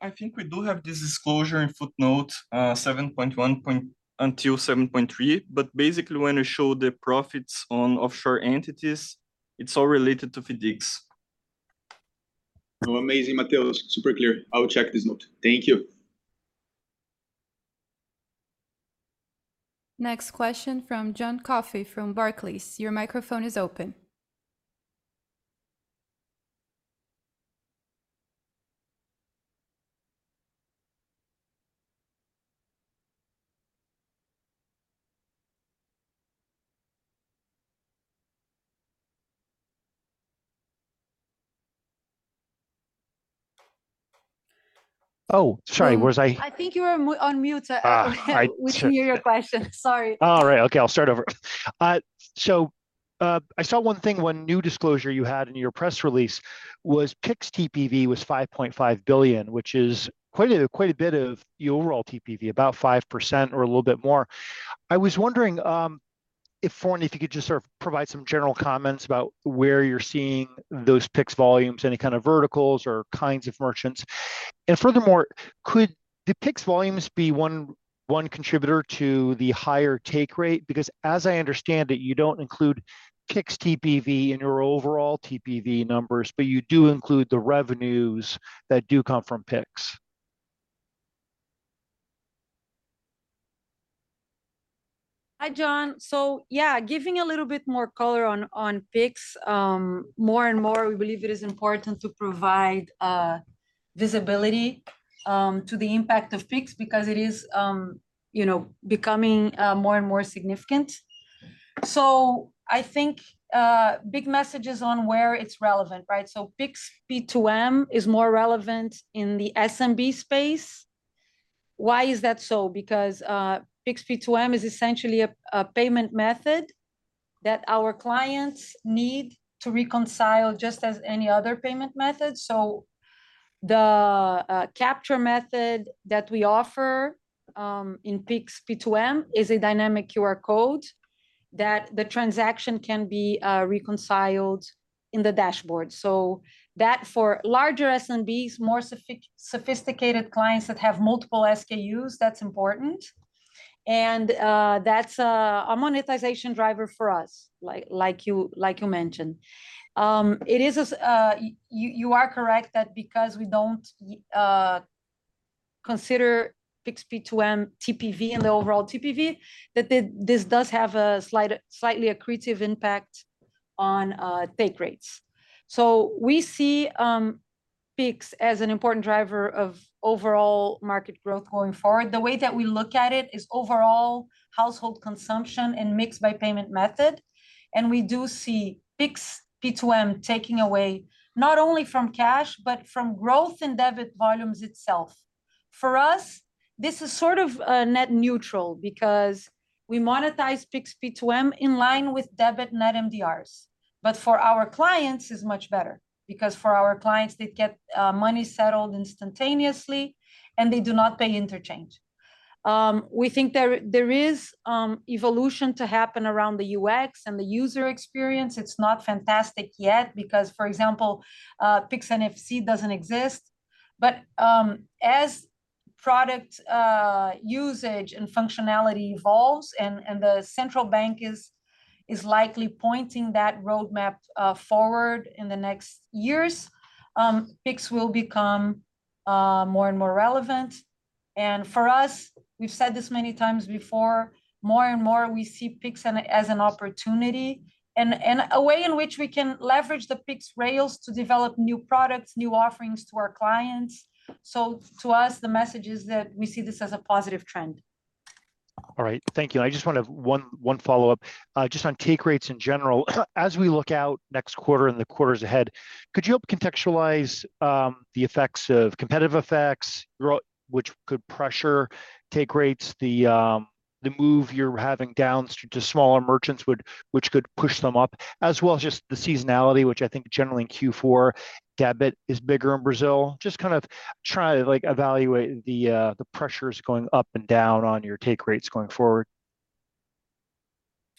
I think we do have this disclosure in footnote 7.1-7.3%, but basically, when we show the profits on offshore entities, it's all related to FIDCs. Oh, amazing, Mateus. Super clear. I will check this note. Thank you. Next question from John Coffey from Barclays. Your microphone is open. Oh, sorry, was I- I think you were on mute. Ah, I- We couldn't hear your question. Sorry. All right. Okay, I'll start over. So, I saw one thing, one new disclosure you had in your press release was Pix TPV was 5.5 billion, which is quite a bit of your overall TPV, about 5% or a little bit more. I was wondering, if for me, if you could just sort of provide some general comments about where you're seeing those Pix volumes, any kind of verticals or kinds of merchants. And furthermore, could the Pix volumes be one contributor to the higher take rate? Because as I understand it, you don't include Pix TPV in your overall TPV numbers, but you do include the revenues that do come from Pix. Hi, John. So yeah, giving a little bit more color on Pix. More and more, we believe it is important to provide visibility to the impact of Pix because it is, you know, becoming more and more significant. So I think big message is on where it's relevant, right? So Pix P2M is more relevant in the SMB space. Why is that so? Because Pix P2M is essentially a payment method that our clients need to reconcile just as any other payment method. So the capture method that we offer in Pix P2M is a dynamic QR code that the transaction can be reconciled in the dashboard. So that for larger SMBs, more sophisticated clients that have multiple SKUs, that's important, and that's a monetization driver for us, like you mentioned. It is. You are correct that because we don't consider Pix P2M TPV and the overall TPV, that this does have a slightly accretive impact on take rates. So we see Pix as an important driver of overall market growth going forward. The way that we look at it is overall household consumption and mix by payment method, and we do see Pix P2M taking away not only from cash, but from growth in debit volumes itself. For us, this is sort of net neutral because we monetize Pix P2M in line with debit net MDRs. But for our clients, it's much better, because for our clients, they get money settled instantaneously, and they do not pay interchange. We think there is evolution to happen around the UX and the user experience. It's not fantastic yet because, for example, Pix NFC doesn't exist. But, as product usage and functionality evolves and the central bank is likely pointing that roadmap forward in the next years, Pix will become more and more relevant. And for us, we've said this many times before, more and more we see Pix as an opportunity and a way in which we can leverage the Pix rails to develop new products, new offerings to our clients. So to us, the message is that we see this as a positive trend. All right, thank you. I just want to have one follow-up. Just on take rates in general, as we look out next quarter and the quarters ahead, could you help contextualize the effects of competitive effects, which could pressure take rates, the move you're having down to smaller merchants which could push them up, as well as just the seasonality, which I think generally in Q4, debit is bigger in Brazil? Just kind of try to, like, evaluate the pressures going up and down on your take rates going forward.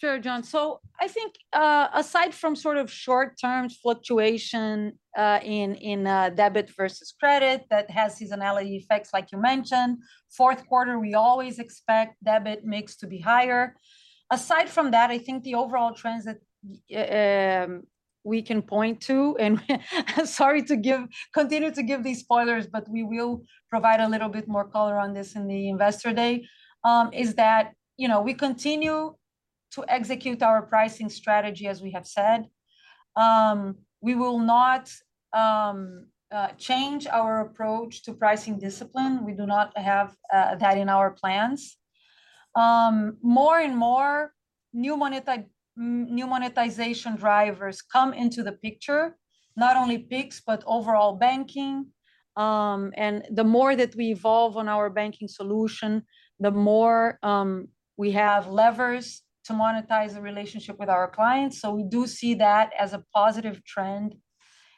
Sure, John. So I think, aside from sort of short-term fluctuation, in debit versus credit that has seasonality effects, like you mentioned, fourth quarter, we always expect debit mix to be higher. Aside from that, I think the overall trends that we can point to, and sorry to continue to give these spoilers, but we will provide a little bit more color on this in the Investor Day, is that, you know, we continue to execute our pricing strategy as we have said. We will not change our approach to pricing discipline. We do not have that in our plans. More and more new monetization drivers come into the picture, not only Pix, but overall banking. The more that we evolve on our banking solution, the more we have levers to monetize the relationship with our clients, so we do see that as a positive trend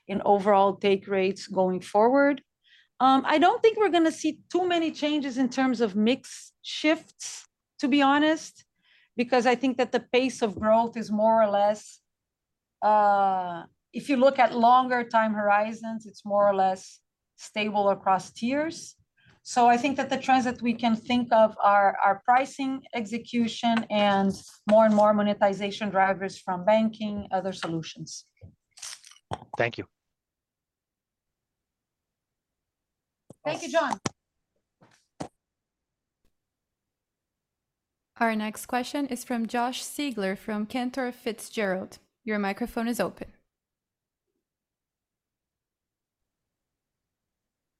in overall take rates going forward. I don't think we're gonna see too many changes in terms of mix shifts, to be honest, because I think that the pace of growth is more or less... if you look at longer time horizons, it's more or less stable across tiers. So I think that the trends that we can think of are our pricing execution and more and more monetization drivers from banking, other solutions. Thank you. Thank you, John. Our next question is from Josh Siegler from Cantor Fitzgerald. Your microphone is open.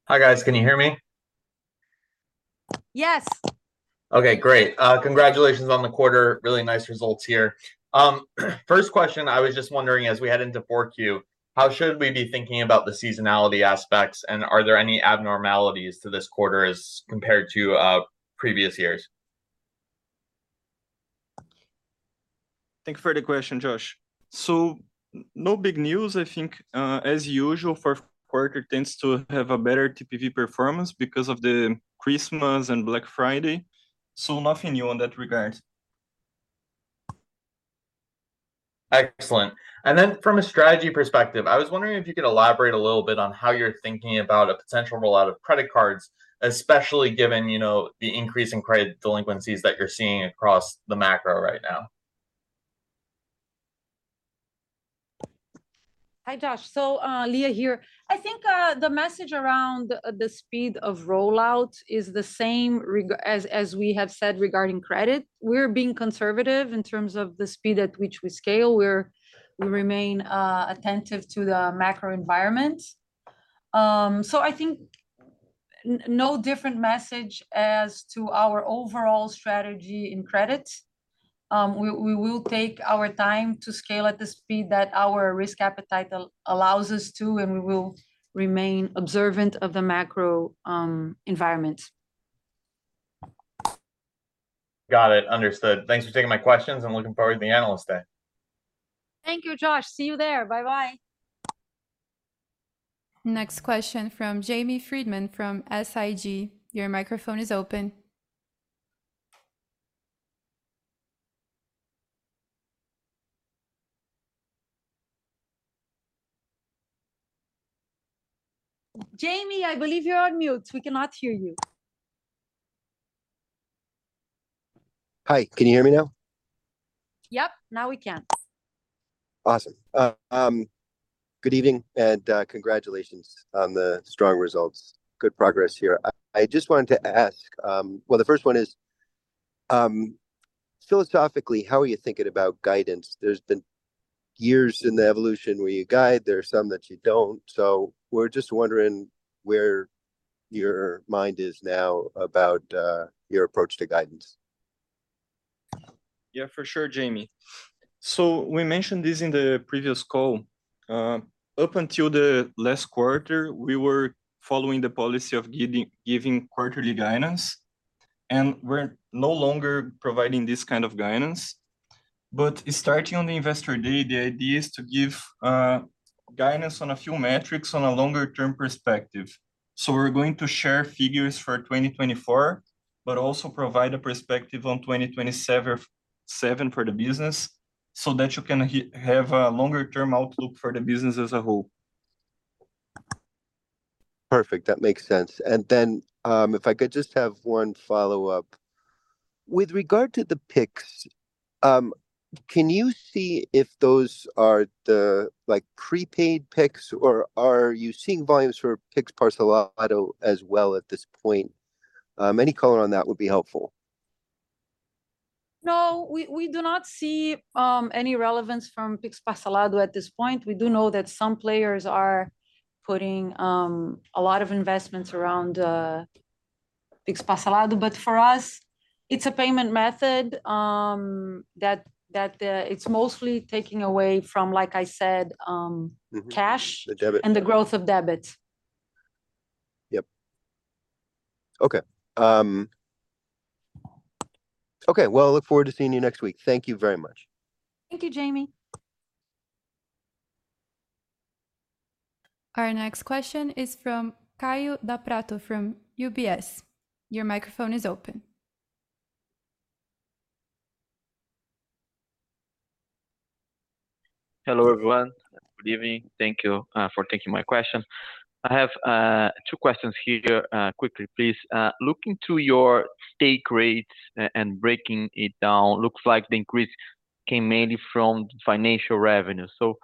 Hi, guys. Can you hear me? Yes. Okay, great. Congratulations on the quarter. Really nice results here. First question, I was just wondering, as we head into 4Q, how should we be thinking about the seasonality aspects, and are there any abnormalities to this quarter as compared to previous years? Thank you for the question, Josh. So no big news. I think, as usual, fourth quarter tends to have a better TPV performance because of the Christmas and Black Friday, so nothing new in that regard. Excellent. And then from a strategy perspective, I was wondering if you could elaborate a little bit on how you're thinking about a potential rollout of credit cards, especially given, you know, the increase in credit delinquencies that you're seeing across the macro right now? Hi, Josh. So, Lia here. I think, the message around the speed of rollout is the same as we have said regarding credit. We're being conservative in terms of the speed at which we scale. We remain attentive to the macro environment. So I think no different message as to our overall strategy in credit. We will take our time to scale at the speed that our risk appetite allows us to, and we will remain observant of the macro environment. Got it. Understood. Thanks for taking my questions. I'm looking forward to the Analyst Day. Thank you, Josh. See you there. Bye-bye. Next question from Jamie Friedman from SIG. Your microphone is open. Jamie, I believe you're on mute. We cannot hear you. Hi, can you hear me now? Yep, now we can. Awesome. Good evening, and congratulations on the strong results. Good progress here. I just wanted to ask... Well, the first one is, philosophically, how are you thinking about guidance? There's been years in the evolution where you guide, there are some that you don't. So we're just wondering where your mind is now about your approach to guidance. Yeah, for sure, Jamie. So we mentioned this in the previous call. Up until the last quarter, we were following the policy of giving quarterly guidance, and we're no longer providing this kind of guidance. But starting on the Investor Day, the idea is to give guidance on a few metrics on a longer term perspective. So we're going to share figures for 2024, but also provide a perspective on 2027 for the business, so that you can have a longer term outlook for the business as a whole. Perfect, that makes sense. And then, if I could just have one follow-up. With regard to the Pix, can you see if those are the, like, prepaid Pix, or are you seeing volumes for Pix Parcelado as well at this point? Any color on that would be helpful. No, we do not see any relevance from Pix Parcelado at this point. We do know that some players are putting a lot of investments around Pix Parcelado. But for us, it's a payment method that... It's mostly taking away from, like I said, cash. The debit And the growth of debit. Yep. Okay. Okay. Well, I look forward to seeing you next week. Thank you very much. Thank you, Jamie. Our next question is from Kaio Da Prato from UBS. Your microphone is open. Hello, everyone. Good evening. Thank you for taking my question. I have two questions here quickly, please. Looking to your take rates and breaking it down, looks like the increase came mainly from financial revenue. So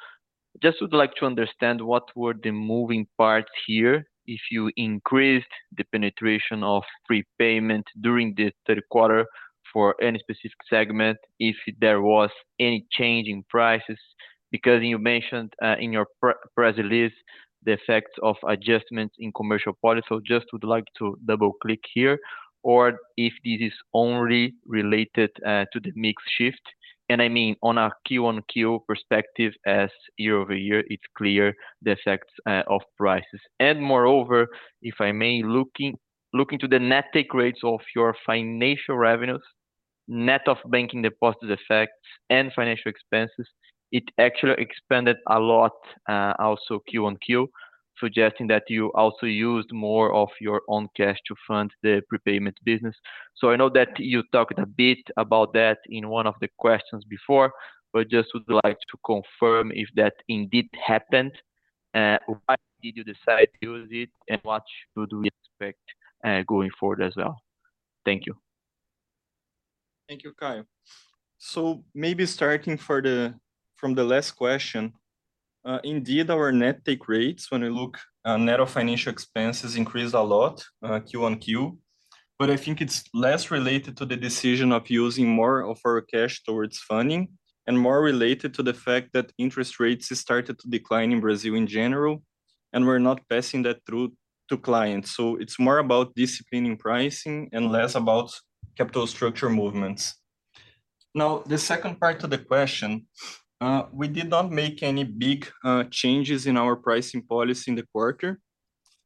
just would like to understand what were the moving parts here, if you increased the penetration of prepayment during the third quarter for any specific segment, if there was any change in prices. Because you mentioned in your press release the effect of adjustments in commercial policy. So just would like to double-click here, or if this is only related to the mix shift, and I mean, on a Q-on-Q perspective, as year-over-year, it's clear the effects of prices. Moreover, if I may, looking to the net take rates of your financial revenues, net of banking deposits effects and financial expenses, it actually expanded a lot, also quarter-over-quarter, suggesting that you also used more of your own cash to fund the prepayment business. So I know that you talked a bit about that in one of the questions before, but just would like to confirm if that indeed happened, why did you decide to use it, and what should we expect going forward as well? Thank you. Thank you, Kaio. So maybe from the last question, indeed, our net take rates, when we look at net of financial expenses, increased a lot, Q-on-Q. But I think it's less related to the decision of using more of our cash towards funding and more related to the fact that interest rates started to decline in Brazil in general, and we're not passing that through to clients. So it's more about disciplining pricing and less about capital structure movements. Now, the second part to the question, we did not make any big changes in our pricing policy in the quarter.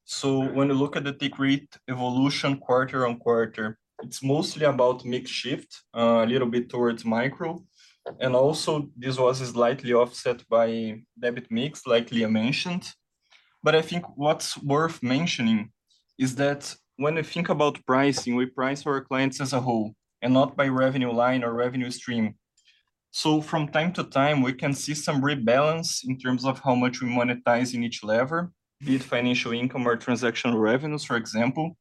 So when you look at the take rate evolution quarter-on-quarter, it's mostly about mix shift, a little bit towards micro, and also this was slightly offset by debit mix, like Lia mentioned. But I think what's worth mentioning is that when we think about pricing, we price for our clients as a whole and not by revenue line or revenue stream. So from time to time, we can see some rebalance in terms of how much we monetize in each lever, be it financial income or transactional revenues, for example.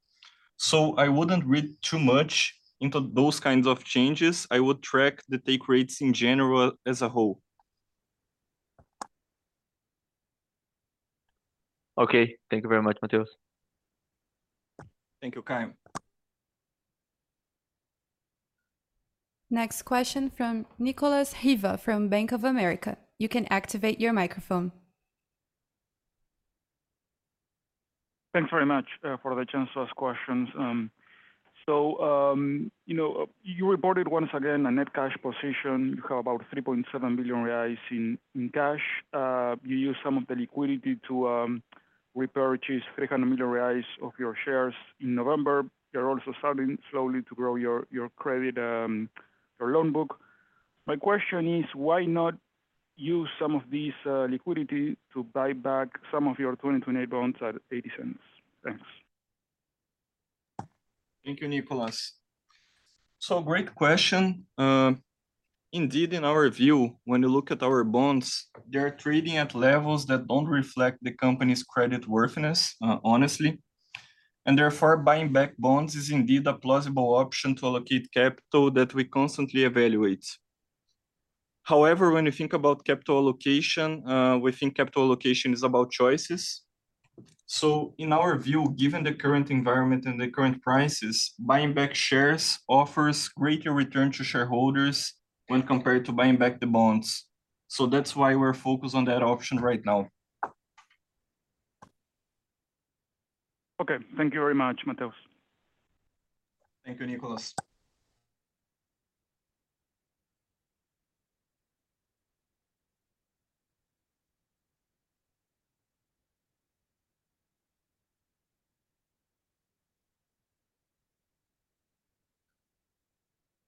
So I wouldn't read too much into those kinds of changes. I would track the take rates in general as a whole. Okay. Thank you very much, Mateus. Thank you, Kaio. Next question from Nicolas Riva from Bank of America. You can activate your microphone. Thanks very much, for the chance to ask questions. So, you know, you reported once again a net cash position. You have about 3.7 billion reais in cash. You used some of the liquidity to repurchase 300 million reais of your shares in November. You're also starting slowly to grow your credit, your loan book. My question is, why not use some of this liquidity to buy back some of your 2028 bonds at 0.80? Thanks. Thank you, Nicolas. So great question. Indeed, in our view, when you look at our bonds, they're trading at levels that don't reflect the company's creditworthiness, honestly, and therefore, buying back bonds is indeed a plausible option to allocate capital that we constantly evaluate. However, when you think about capital allocation, we think capital allocation is about choices. So in our view, given the current environment and the current prices, buying back shares offers greater return to shareholders when compared to buying back the bonds. So that's why we're focused on that option right now. Okay. Thank you very much, Mateus. Thank you, Nicolas.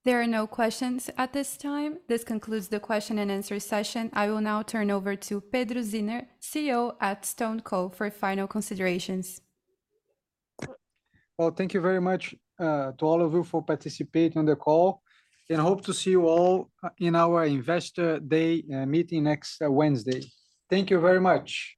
There are no questions at this time. This concludes the question and answer session. I will now turn over to Pedro Zinner, CEO at StoneCo, for final considerations. Well, thank you very much to all of you for participating on the call, and hope to see you all in our Investor Day meeting next Wednesday. Thank you very much!